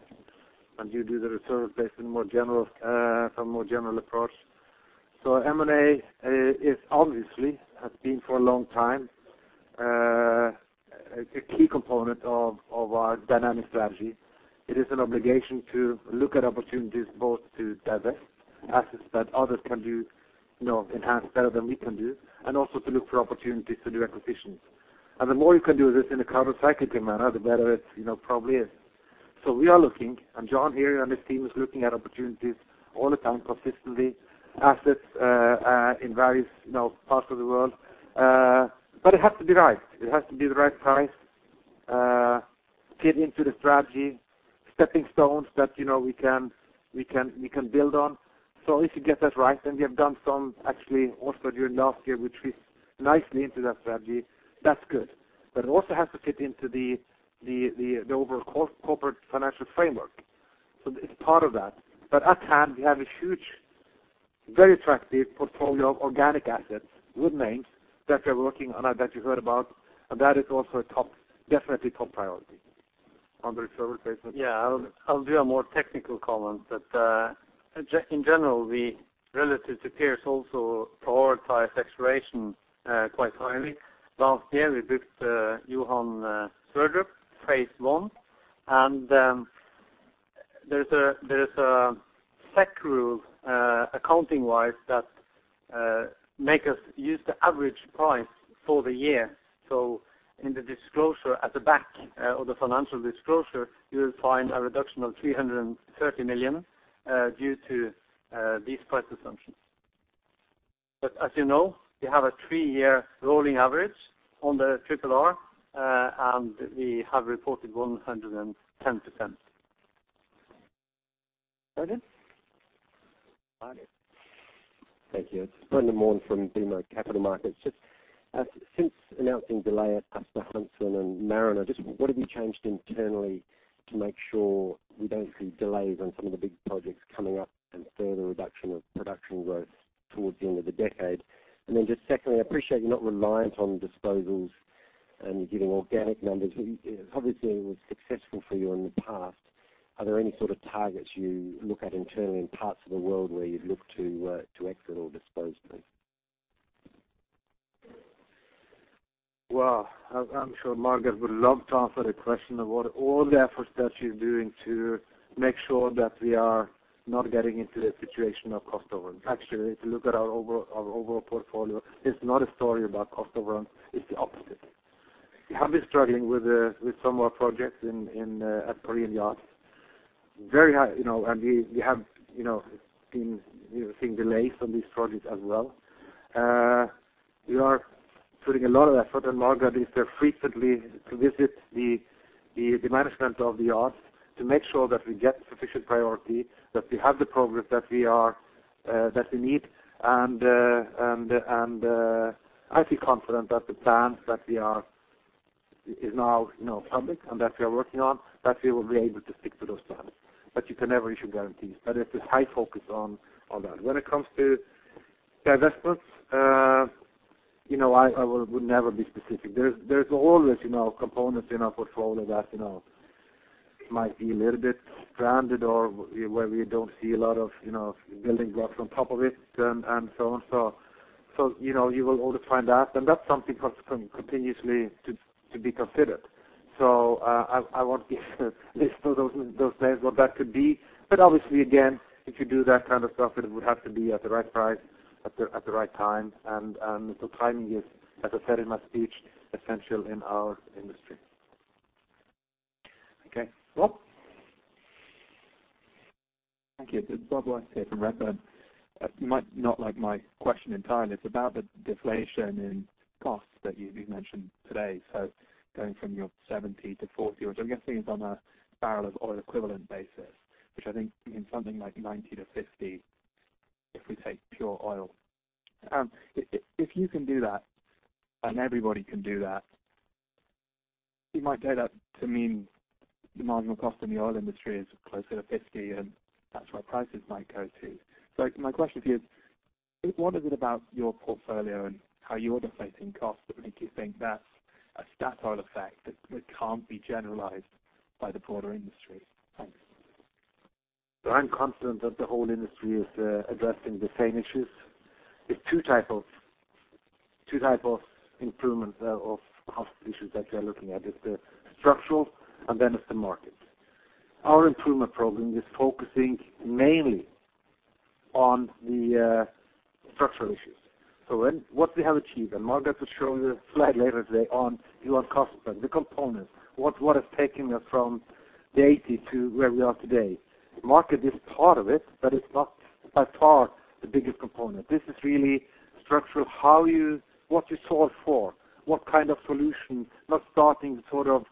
and you do the reserve replacement more general from more general approach. M&A is obviously has been for a long time a key component of our dynamic strategy. It is an obligation to look at opportunities both to divest assets that others can do, you know, enhance better than we can do, and also to look for opportunities to do acquisitions. The more you can do this in a countercyclical manner, the better it, you know, probably is. We are looking, and John here and his team is looking at opportunities all the time consistently, assets in various, you know, parts of the world. It has to be right. It has to be the right price, fit into the strategy, stepping stones that, you know, we can build on. If you get that right, then we have done some actually also during last year, which fits nicely into that strategy. That's good. It also has to fit into the overall corporate financial framework. It's part of that. At hand, we have a huge, very attractive portfolio of organic assets with names that we're working on, that you heard about, and that is also a top, definitely top priority. On the reserve replacement? Yeah. I'll do a more technical comment. In general, we relative to peers also prioritize exploration quite highly. Last year, we booked Johan Sverdrup phase one. There's a SEC rule accounting-wise that make us use the average price for the year. In the disclosure at the back or the financial disclosure, you will find a reduction of $330 million due to these price assumptions. As you know, we have a three-year rolling average on the RRR and we have reported 110%. Brendan? Thank you. It's Brendan Warn from BMO Capital Markets. Just, since announcing delay at Aasta Hansteen and Mariner, just what have you changed internally to make sure we don't see delays on some of the big projects coming up and further reduction of production growth towards the end of the decade? Just secondly, I appreciate you're not reliant on disposals and you're giving organic numbers. Obviously, it was successful for you in the past. Are there any sort of targets you look at internally in parts of the world where you'd look to exit or dispose please? Well, I'm sure Margareth would love to answer the question about all the efforts that she's doing to make sure that we are not getting into the situation of cost overrun. Actually, if you look at our overall portfolio, it's not a story about cost overrun, it's the opposite. We have been struggling with some of our projects in at Korean yards. Very high, you know, and we have, you know, been, you know, seeing delays on these projects as well. We are putting a lot of effort, and Margareth is there frequently to visit the management of the yards to make sure that we get sufficient priority, that we have the progress that we are, that we need. I feel confident that the plans that we are is now, you know, public and that we are working on, that we will be able to stick to those plans. You can never issue guarantees, but it's a high focus on that. When it comes to divestments, you know, I would never be specific. There's always, you know, components in our portfolio that, you know, might be a little bit stranded or where we don't see a lot of, you know, building blocks on top of it and so on. So, you know, you will always find that, and that's something continuously to be considered. So, I won't give a list of those things, what that could be. Obviously, again, if you do that kind of stuff, it would have to be at the right price at the right time. Timing is, as I said in my speech, essential in our industry. Okay. Rob? Thank you. It's Rob West here from Redburn. You might not like my question entirely. It's about the deflation in costs that you mentioned today, so going from your $70-$40, which I'm guessing is on a barrel of oil equivalent basis, which I think means something like $90-$50 if we take pure oil. If you can do that, and everybody can do that, you might take that to mean the marginal cost in the oil industry is closer to $50, and that's where prices might go to. My question to you is, what is it about your portfolio and how you're deflating costs that make you think that's a Statoil effect that can't be generalized by the broader industry? Thanks. I'm confident that the whole industry is addressing the same issues. There are two types of improvements of cost issues that we are looking at. It's the structural and then it's the market. Our improvement program is focusing mainly on the structural issues. What we have achieved, and Margareth will show you a slide later today on our cost spread, the components, what is taking us from the $80 to where we are today. The market is part of it, but it's not by far the biggest component. This is really structural, how you, what you solve for, what kind of solution, not starting sort of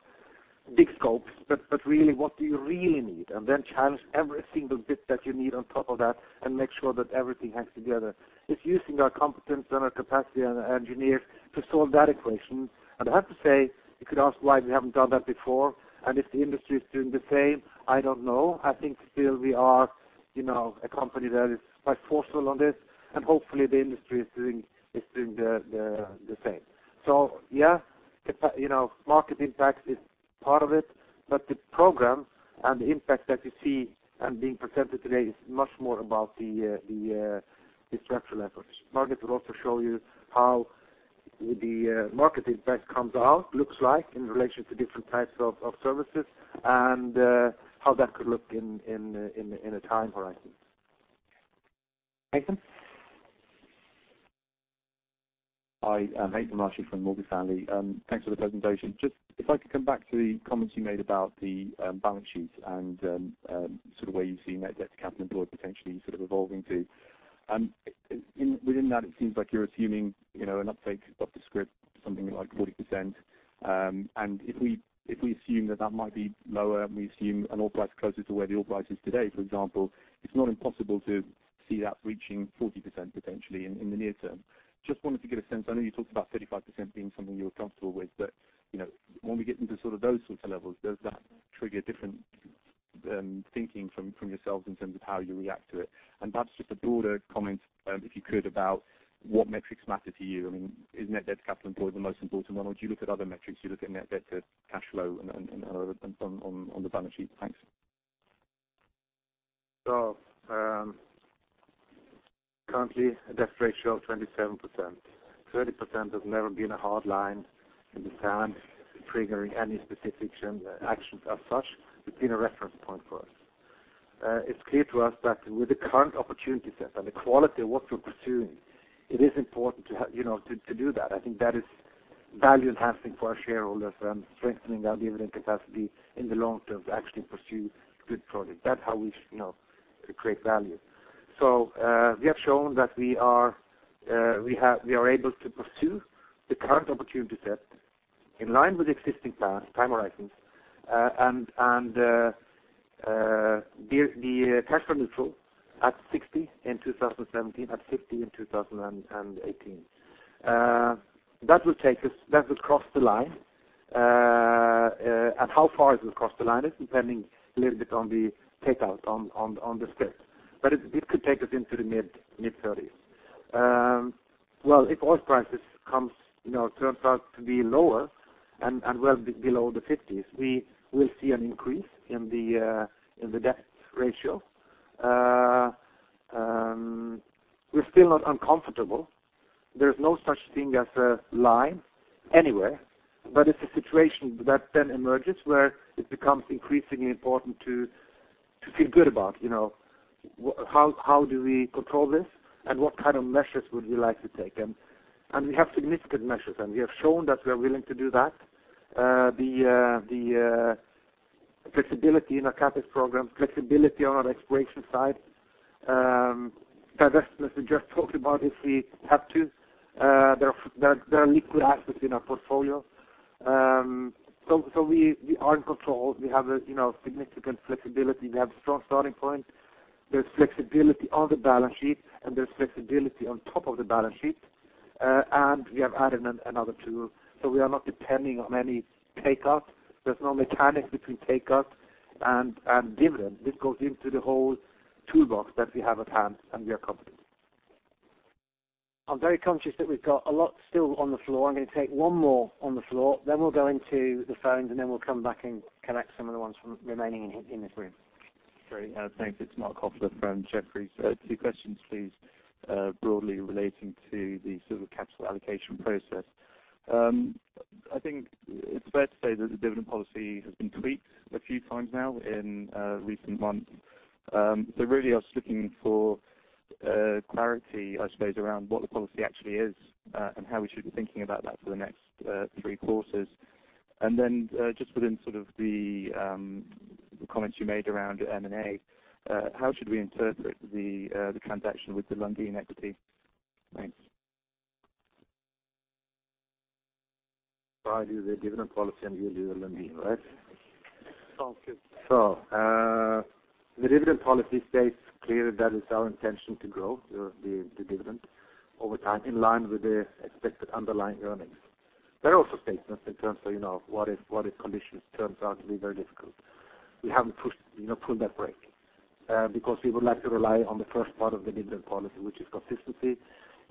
big scopes, but really what do you really need, and then challenge every single bit that you need on top of that and make sure that everything hangs together. It's using our competence and our capacity and engineers to solve that equation. I have to say, you could ask why we haven't done that before, and if the industry is doing the same, I don't know. I think still we are, you know, a company that is quite forceful on this, and hopefully the industry is doing the same. Yeah, it's like, you know, market impact is part of it, but the program and the impact that you see and being presented today is much more about the structural efforts. Margareth will also show you how the market impact comes out, looks like in relation to different types of services and how that could look in a time horizon. Haythem? Hi, I'm Haythem Rashed from Morgan Stanley. Thanks for the presentation. Just if I could come back to the comments you made about the balance sheet and sort of where you see net debt to capital employed potentially sort of evolving to. Within that, it seems like you're assuming, you know, an uptake of the scrip, something like 40%. And if we assume that might be lower, and we assume an oil price closer to where the oil price is today, for example, it's not impossible to see that reaching 40% potentially in the near term. Just wanted to get a sense. I know you talked about 35% being something you're comfortable with, but, you know, when we get into sort of those sorts of levels, does that trigger different thinking from yourselves in terms of how you react to it? Perhaps just a broader comment, if you could, about what metrics matter to you. I mean, is net debt to capital employed the most important one, or do you look at other metrics? Do you look at net debt to cash flow and other on the balance sheet? Thanks. Currently a debt ratio of 27%. 30% has never been a hard line in the sand triggering any specific actions as such. It's been a reference point for us. It's clear to us that with the current opportunity set and the quality of what we're pursuing, it is important to have, you know, to do that. I think that is value enhancing for our shareholders and strengthening our dividend capacity in the long term to actually pursue good projects. That's how we, you know, create value. We have shown that we are able to pursue the current opportunity set in line with existing plans, time horizons, and be cash flow neutral at $60 in 2017, at $50 in 2018. That would cross the line, and how far it will cross the line is depending a little bit on the take-up on the scrip. But it could take us into the mid-30s. Well, if oil prices comes, you know, turns out to be lower and well below the $50s, we will see an increase in the debt ratio. We're still not uncomfortable. There's no such thing as a line anywhere, but it's a situation that then emerges where it becomes increasingly important to feel good about, you know, how do we control this, and what kind of measures would we like to take? We have significant measures, and we have shown that we are willing to do that. The flexibility in our CapEx programs, flexibility on our exploration side, divestments we just talked about if we have to. There are liquid assets in our portfolio. We are in control. We have, you know, significant flexibility. We have a strong starting point. There's flexibility on the balance sheet, and there's flexibility on top of the balance sheet. We have added another tool, so we are not depending on any takeout. There's no mechanic between takeout and dividend. This goes into the whole toolbox that we have at hand, and we are confident. I'm very conscious that we've got a lot still on the floor. I'm gonna take one more on the floor, then we'll go into the phones, and then we'll come back and connect some of the ones remaining in this room. Great. Thanks. It's Marc Kofler from Jefferies. Two questions, please, broadly relating to the sort of capital allocation process. I think it's fair to say that the dividend policy has been tweaked a few times now in recent months. Really I was looking for clarity, I suppose, around what the policy actually is, and how we should be thinking about that for the next three quarters. Then just within sort of the comments you made around M&A, how should we interpret the transaction with the Lundin equity? Thanks. I'll do the dividend policy, and you do the Lundin, right? Sounds good. The dividend policy states clearly that it's our intention to grow the dividend over time in line with the expected underlying earnings. There are also statements in terms of, you know, what if conditions turns out to be very difficult. We haven't pushed, you know, pulled that brake because we would like to rely on the first part of the dividend policy, which is consistency,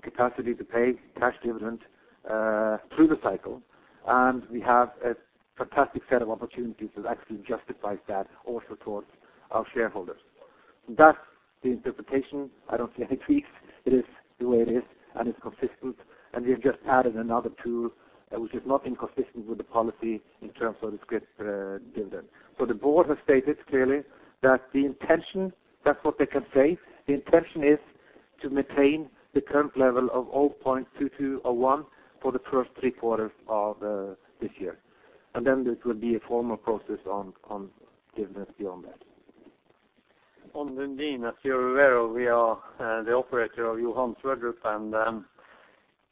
capacity to pay cash dividend through the cycle, and we have a fantastic set of opportunities that actually justifies that also towards our shareholders. That's the interpretation. I don't see any tweaks. It is the way it is, and it's consistent, and we have just added another tool which is not inconsistent with the policy in terms of the scrip dividend. The board has stated clearly that the intention, that's what they can say, the intention is to maintain the current level of $0.2201 for the first three quarters of this year. Then there would be a formal process on dividends beyond that. On Lundin, as you're aware, we are the operator of Johan Sverdrup, and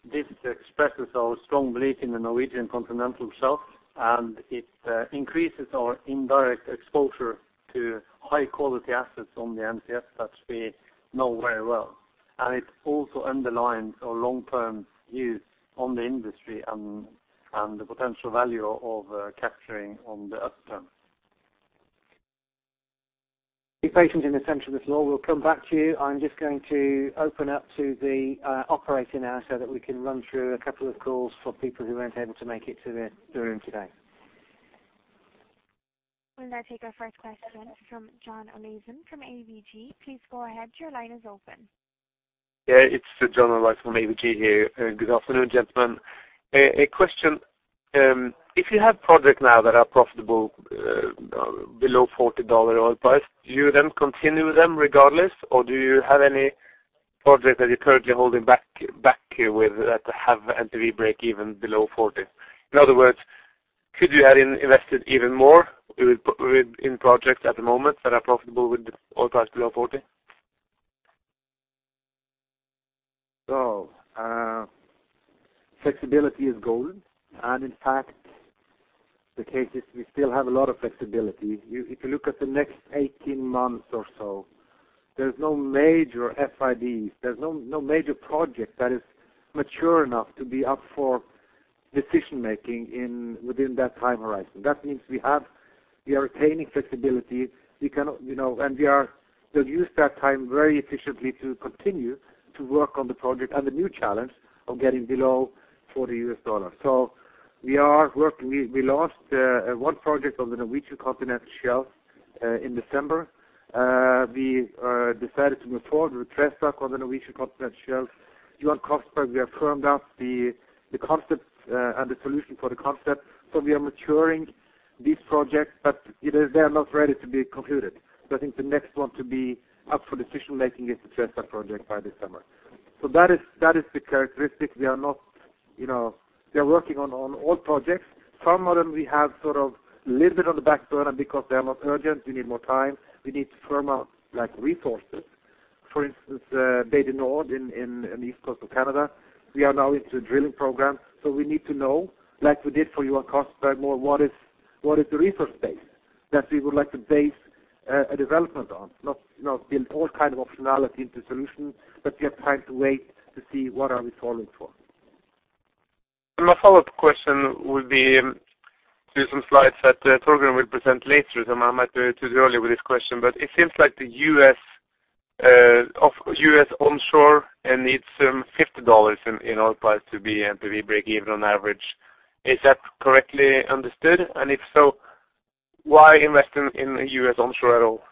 this expresses our strong belief in the Norwegian continental shelf, and it increases our indirect exposure to high-quality assets on the NCS that we know very well. It also underlines our long-term views on the industry and the potential value of capturing on the upstream. Be patient in attending this long. We'll come back to you. I'm just going to open up to the operator now so that we can run through a couple of calls for people who weren't able to make it to the room today. We'll now take our first question from John Olaisen from ABG. Please go ahead. Your line is open. Yeah. It's John Olaisen from ABG here. Good afternoon, gentlemen. Question, if you have projects now that are profitable below $40 oil price, do you then continue them regardless, or do you have any projects that you're currently holding back that have NPV breakeven below $40? In other words, could you have invested even more in projects at the moment that are profitable with the oil price below $40? Flexibility is golden. In fact, the case is we still have a lot of flexibility. If you look at the next 18 months or so, there's no major FIDs. There's no major project that is mature enough to be up for decision-making within that time horizon. That means we are retaining flexibility. We can, you know, and we are. We'll use that time very efficiently to continue to work on the project and the new challenge of getting below $40. We are working. We lost one project on the Norwegian Continental Shelf in December. We decided to move forward with Trestakk on the Norwegian Continental Shelf. Johan Castberg, we have firmed up the concept and the solution for the concept. We are maturing these projects, but, you know, they are not ready to be concluded. I think the next one to be up for decision-making is the Trestakk project by this summer. That is the characteristic. We are not, you know. We are working on all projects. Some of them we have sort of a little bit on the backburner because they are not urgent. We need more time. We need to firm up like resources. For instance, Bay du Nord in the east coast of Canada, we are now into a drilling program, so we need to know, like we did for Johan Castberg, more what is the resource base that we would like to base a development on, not build all kind of optionality into solution, but we have time to wait to see what are we solving for. My follow-up question would be to some slides that Torgrim will present later, so I might be too early with this question. It seems like U.S. onshore needs some $50 in oil price to be NPV break-even on average. Is that correctly understood? If so, why invest in U.S. onshore at all?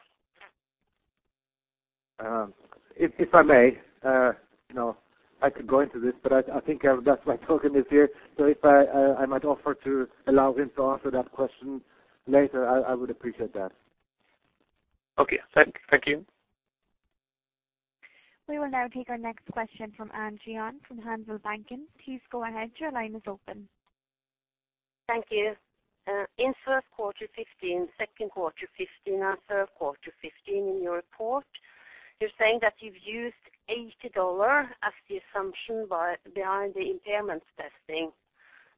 If I may, you know, I could go into this, but I think that's why Torgrim is here. If I might offer to allow him to answer that question later, I would appreciate that. Okay. Thank you. We will now take our next question from Anne Gjøen from Handelsbanken. Please go ahead. Your line is open. Thank you. In Q1 2015, Q2 2015, and Q3 2015 in your report, you're saying that you've used $80 as the assumption behind the impairment testing.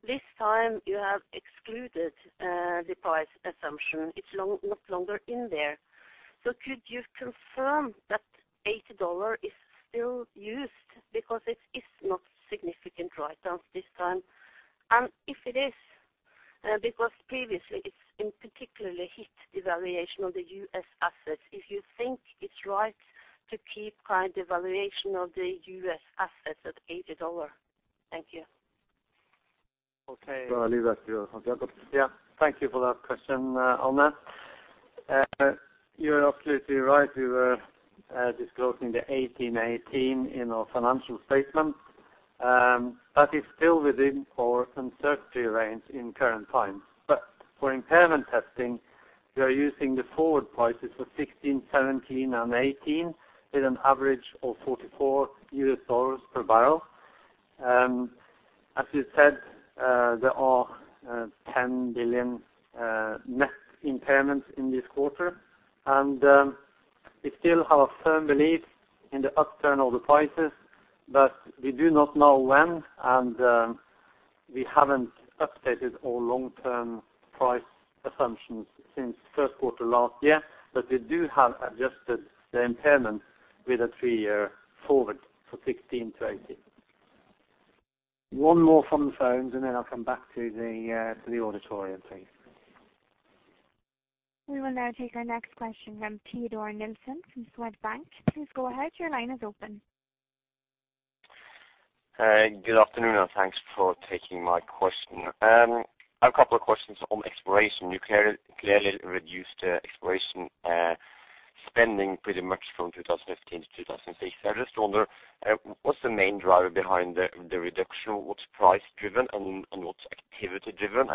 This time you have excluded the price assumption. It's no longer in there. Could you confirm that $80 is still used because it is not significant write-down this time? If it is, because previously it's particularly hit the valuation of the U.S. assets, if you think it's right to keep current valuation of the U.S. assets at $80. Thank you. Okay. I'll leave that to you, Hans Jakob. Yeah, thank you for that question, Anne Gjøen. You're absolutely right. We were disclosing the 2018 in our financial statement, that is still within our uncertainty range in current times. For impairment testing, we are using the forward prices for 2016, 2017, and 2018 with an average of $44 per barrel. As you said, there are $10 billion net impairments in this quarter, and we still have firm belief in the upturn of the prices, but we do not know when, and we haven't updated our long-term price assumptions since Q1 last year. We do have adjusted the impairment with a three-year forward for 2016-2018. One more from the phones, and then I'll come back to the auditorium, please. We will now take our next question from Teodor Sveen-Nilsen from Swedbank. Please go ahead. Your line is open. Good afternoon, and thanks for taking my question. I have a couple of questions on exploration. You clearly reduced the exploration spending pretty much from 2015 to 2016. I just wonder what's the main driver behind the reduction? What's price driven and what's activity driven?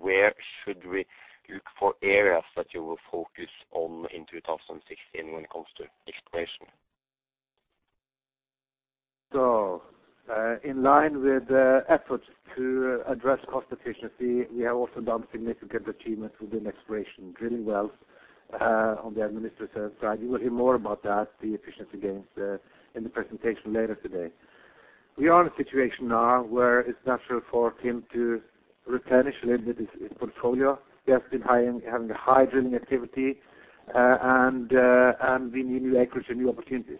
Where should we look for areas that you will focus on in 2016 when it comes to exploration? In line with efforts to address cost efficiency, we have also done significant achievements within exploration, drilling wells, on the administrative side. You will hear more about that, the efficiency gains, in the presentation later today. We are in a situation now where it's natural for Tim to replenish a little bit his portfolio. We have been high end having a high drilling activity, and we need new acreage and new opportunities.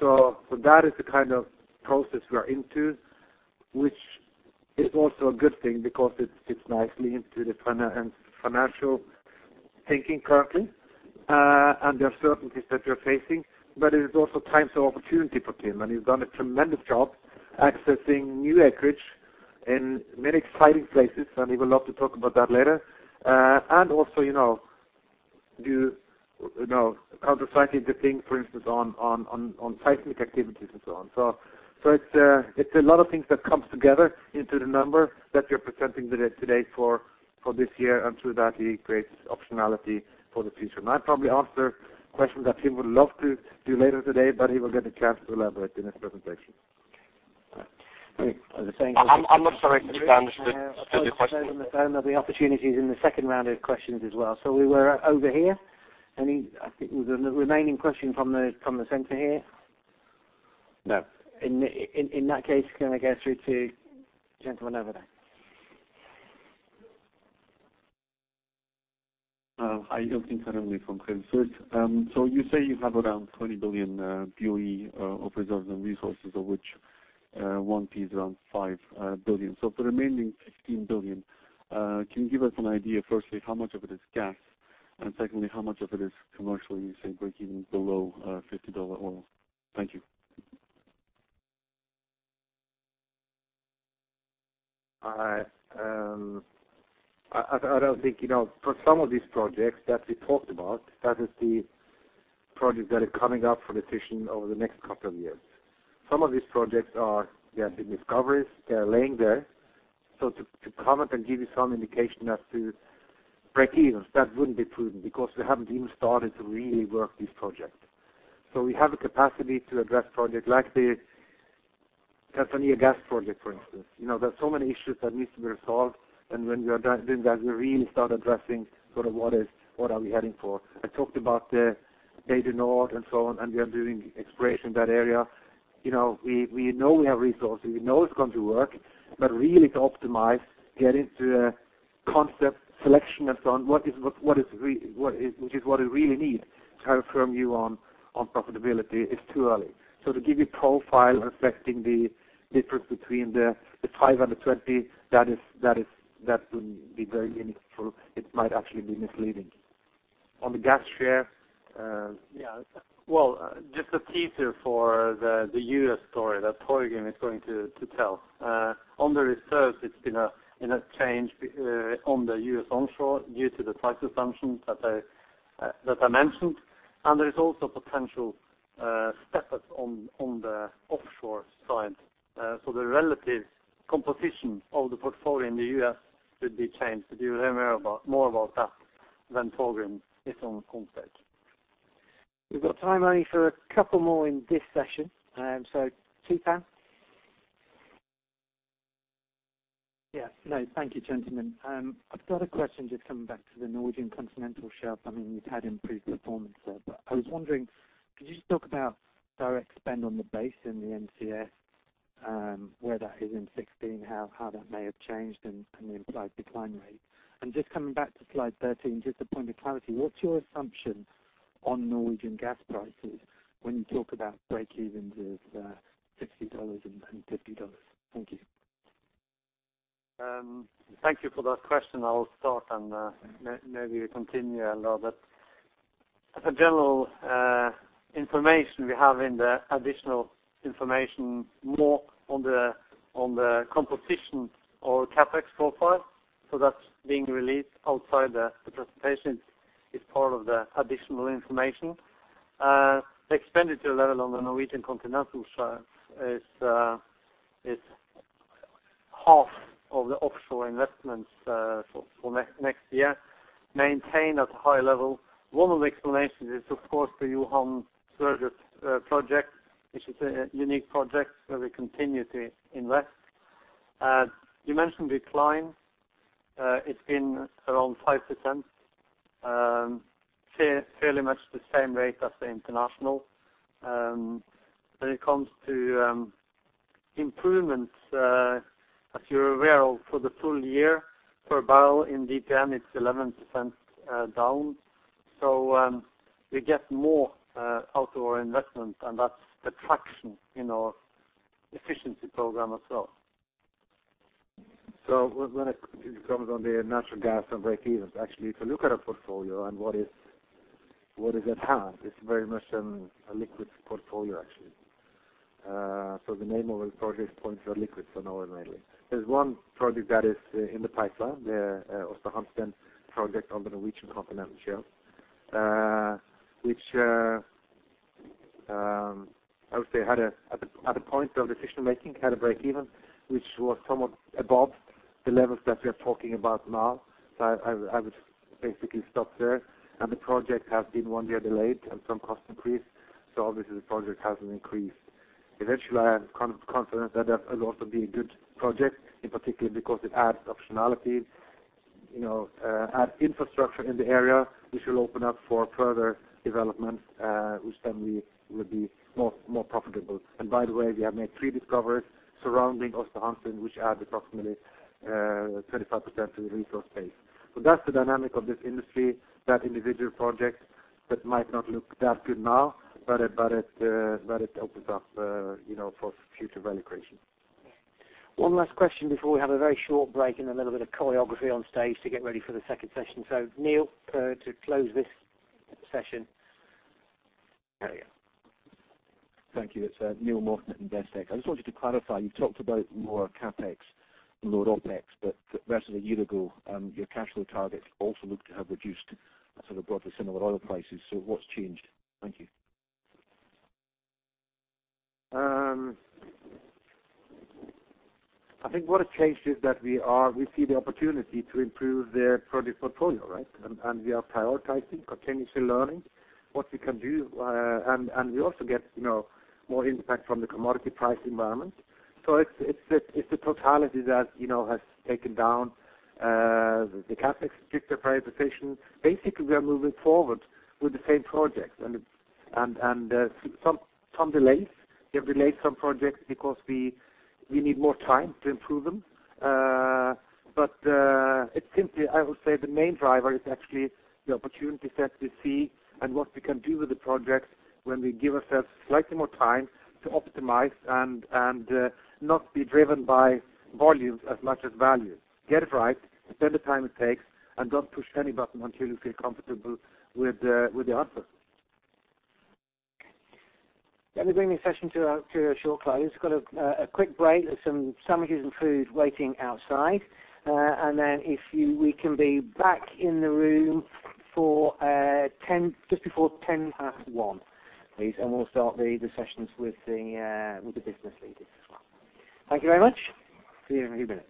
That is the kind of process we are into, which is also a good thing because it fits nicely into the financial thinking currently, and the uncertainties that we're facing. It is also times of opportunity for Tim, and he's done a tremendous job accessing new acreage in many exciting places, and he would love to talk about that later. Also, you know countercyclical things, for instance on seismic activities and so on. It's a lot of things that comes together into the number that we are presenting today for this year, and through that he creates optionality for the future. I probably answered questions that Tim would love to do later today, but he will get a chance to elaborate in his presentation. I'm not sorry to disturb the question. There'll be opportunities in the second round of questions as well. We were over here. Any? I think was there another remaining question from the center here? No. In that case, can I go through to the gentleman over there? I Thank you for that question. I'll start, and, maybe you continue, Eldar Sætre. As a general information we have in the additional information more on the composition or CapEx profile. That's being released outside the presentation. It's part of the additional information. The expenditure level on the Norwegian Continental Shelf is half of the offshore investments for next year, maintained at a high level. One of the explanations is, of course, the Johan Sverdrup project, which is a unique project where we continue to invest. You mentioned decline. It's been around 5%, fairly much the same rate as the international. When it comes to improvements, as you're aware of for the full year, per barrel in DPN, it's 11% down. We get more out of our investment, and that's the traction in our efficiency program as well. When it comes to the natural gas and breakevens, actually, if you look at our portfolio and what is at hand, it's very much a liquid portfolio, actually. The main project points are liquid for now and mainly. There's one project that is in the pipeline, the Aasta Hansteen project on the Norwegian Continental Shelf, which I would say at the point of decision-making had a breakeven, which was somewhat above the levels that we are talking about now. I would basically stop there. The project has been one year delayed and some cost increase, so obviously, the project has an increase. Eventually, I am confident that it will also be a good project, in particular because it adds optionality, you know, adds infrastructure in the area, which will open up for further development, which then we would be more profitable. By the way, we have made three discoveries surrounding Aasta Hansteen which add approximately 35% to the resource base. That's the dynamic of this industry, that individual projects that might not look that good now, but it opens up, you know, for future value creation. One last question before we have a very short break and a little bit of choreography on stage to get ready for the second session. Neil, to close this session. Carry on. Thank you. It's Neil Morton in Investec. I just wanted to clarify, you've talked about more CapEx and lower OpEx, but versus a year ago, your cash flow targets also look to have reduced sort of broadly similar oil prices. What's changed? Thank you. I think what has changed is that we see the opportunity to improve the product portfolio, right? We are prioritizing, continuously learning what we can do. We also get, you know, more impact from the commodity price environment. It's the totality that, you know, has taken down the CapEx, strict prioritization. Basically, we are moving forward with the same projects and some delays. We have delayed some projects because we need more time to improve them. It's simply, I would say, the main driver is actually the opportunity set we see and what we can do with the projects when we give ourselves slightly more time to optimize and not be driven by volumes as much as value. Get it right, spend the time it takes, and don't push any button until you feel comfortable with the output. Let me bring this session to a short close. We've got a quick break. There's some sandwiches and food waiting outside. We can be back in the room for 10, just before 1:10 P.M., please, and we'll start the sessions with the business leaders as well. Thank you very much. See you in a few minutes.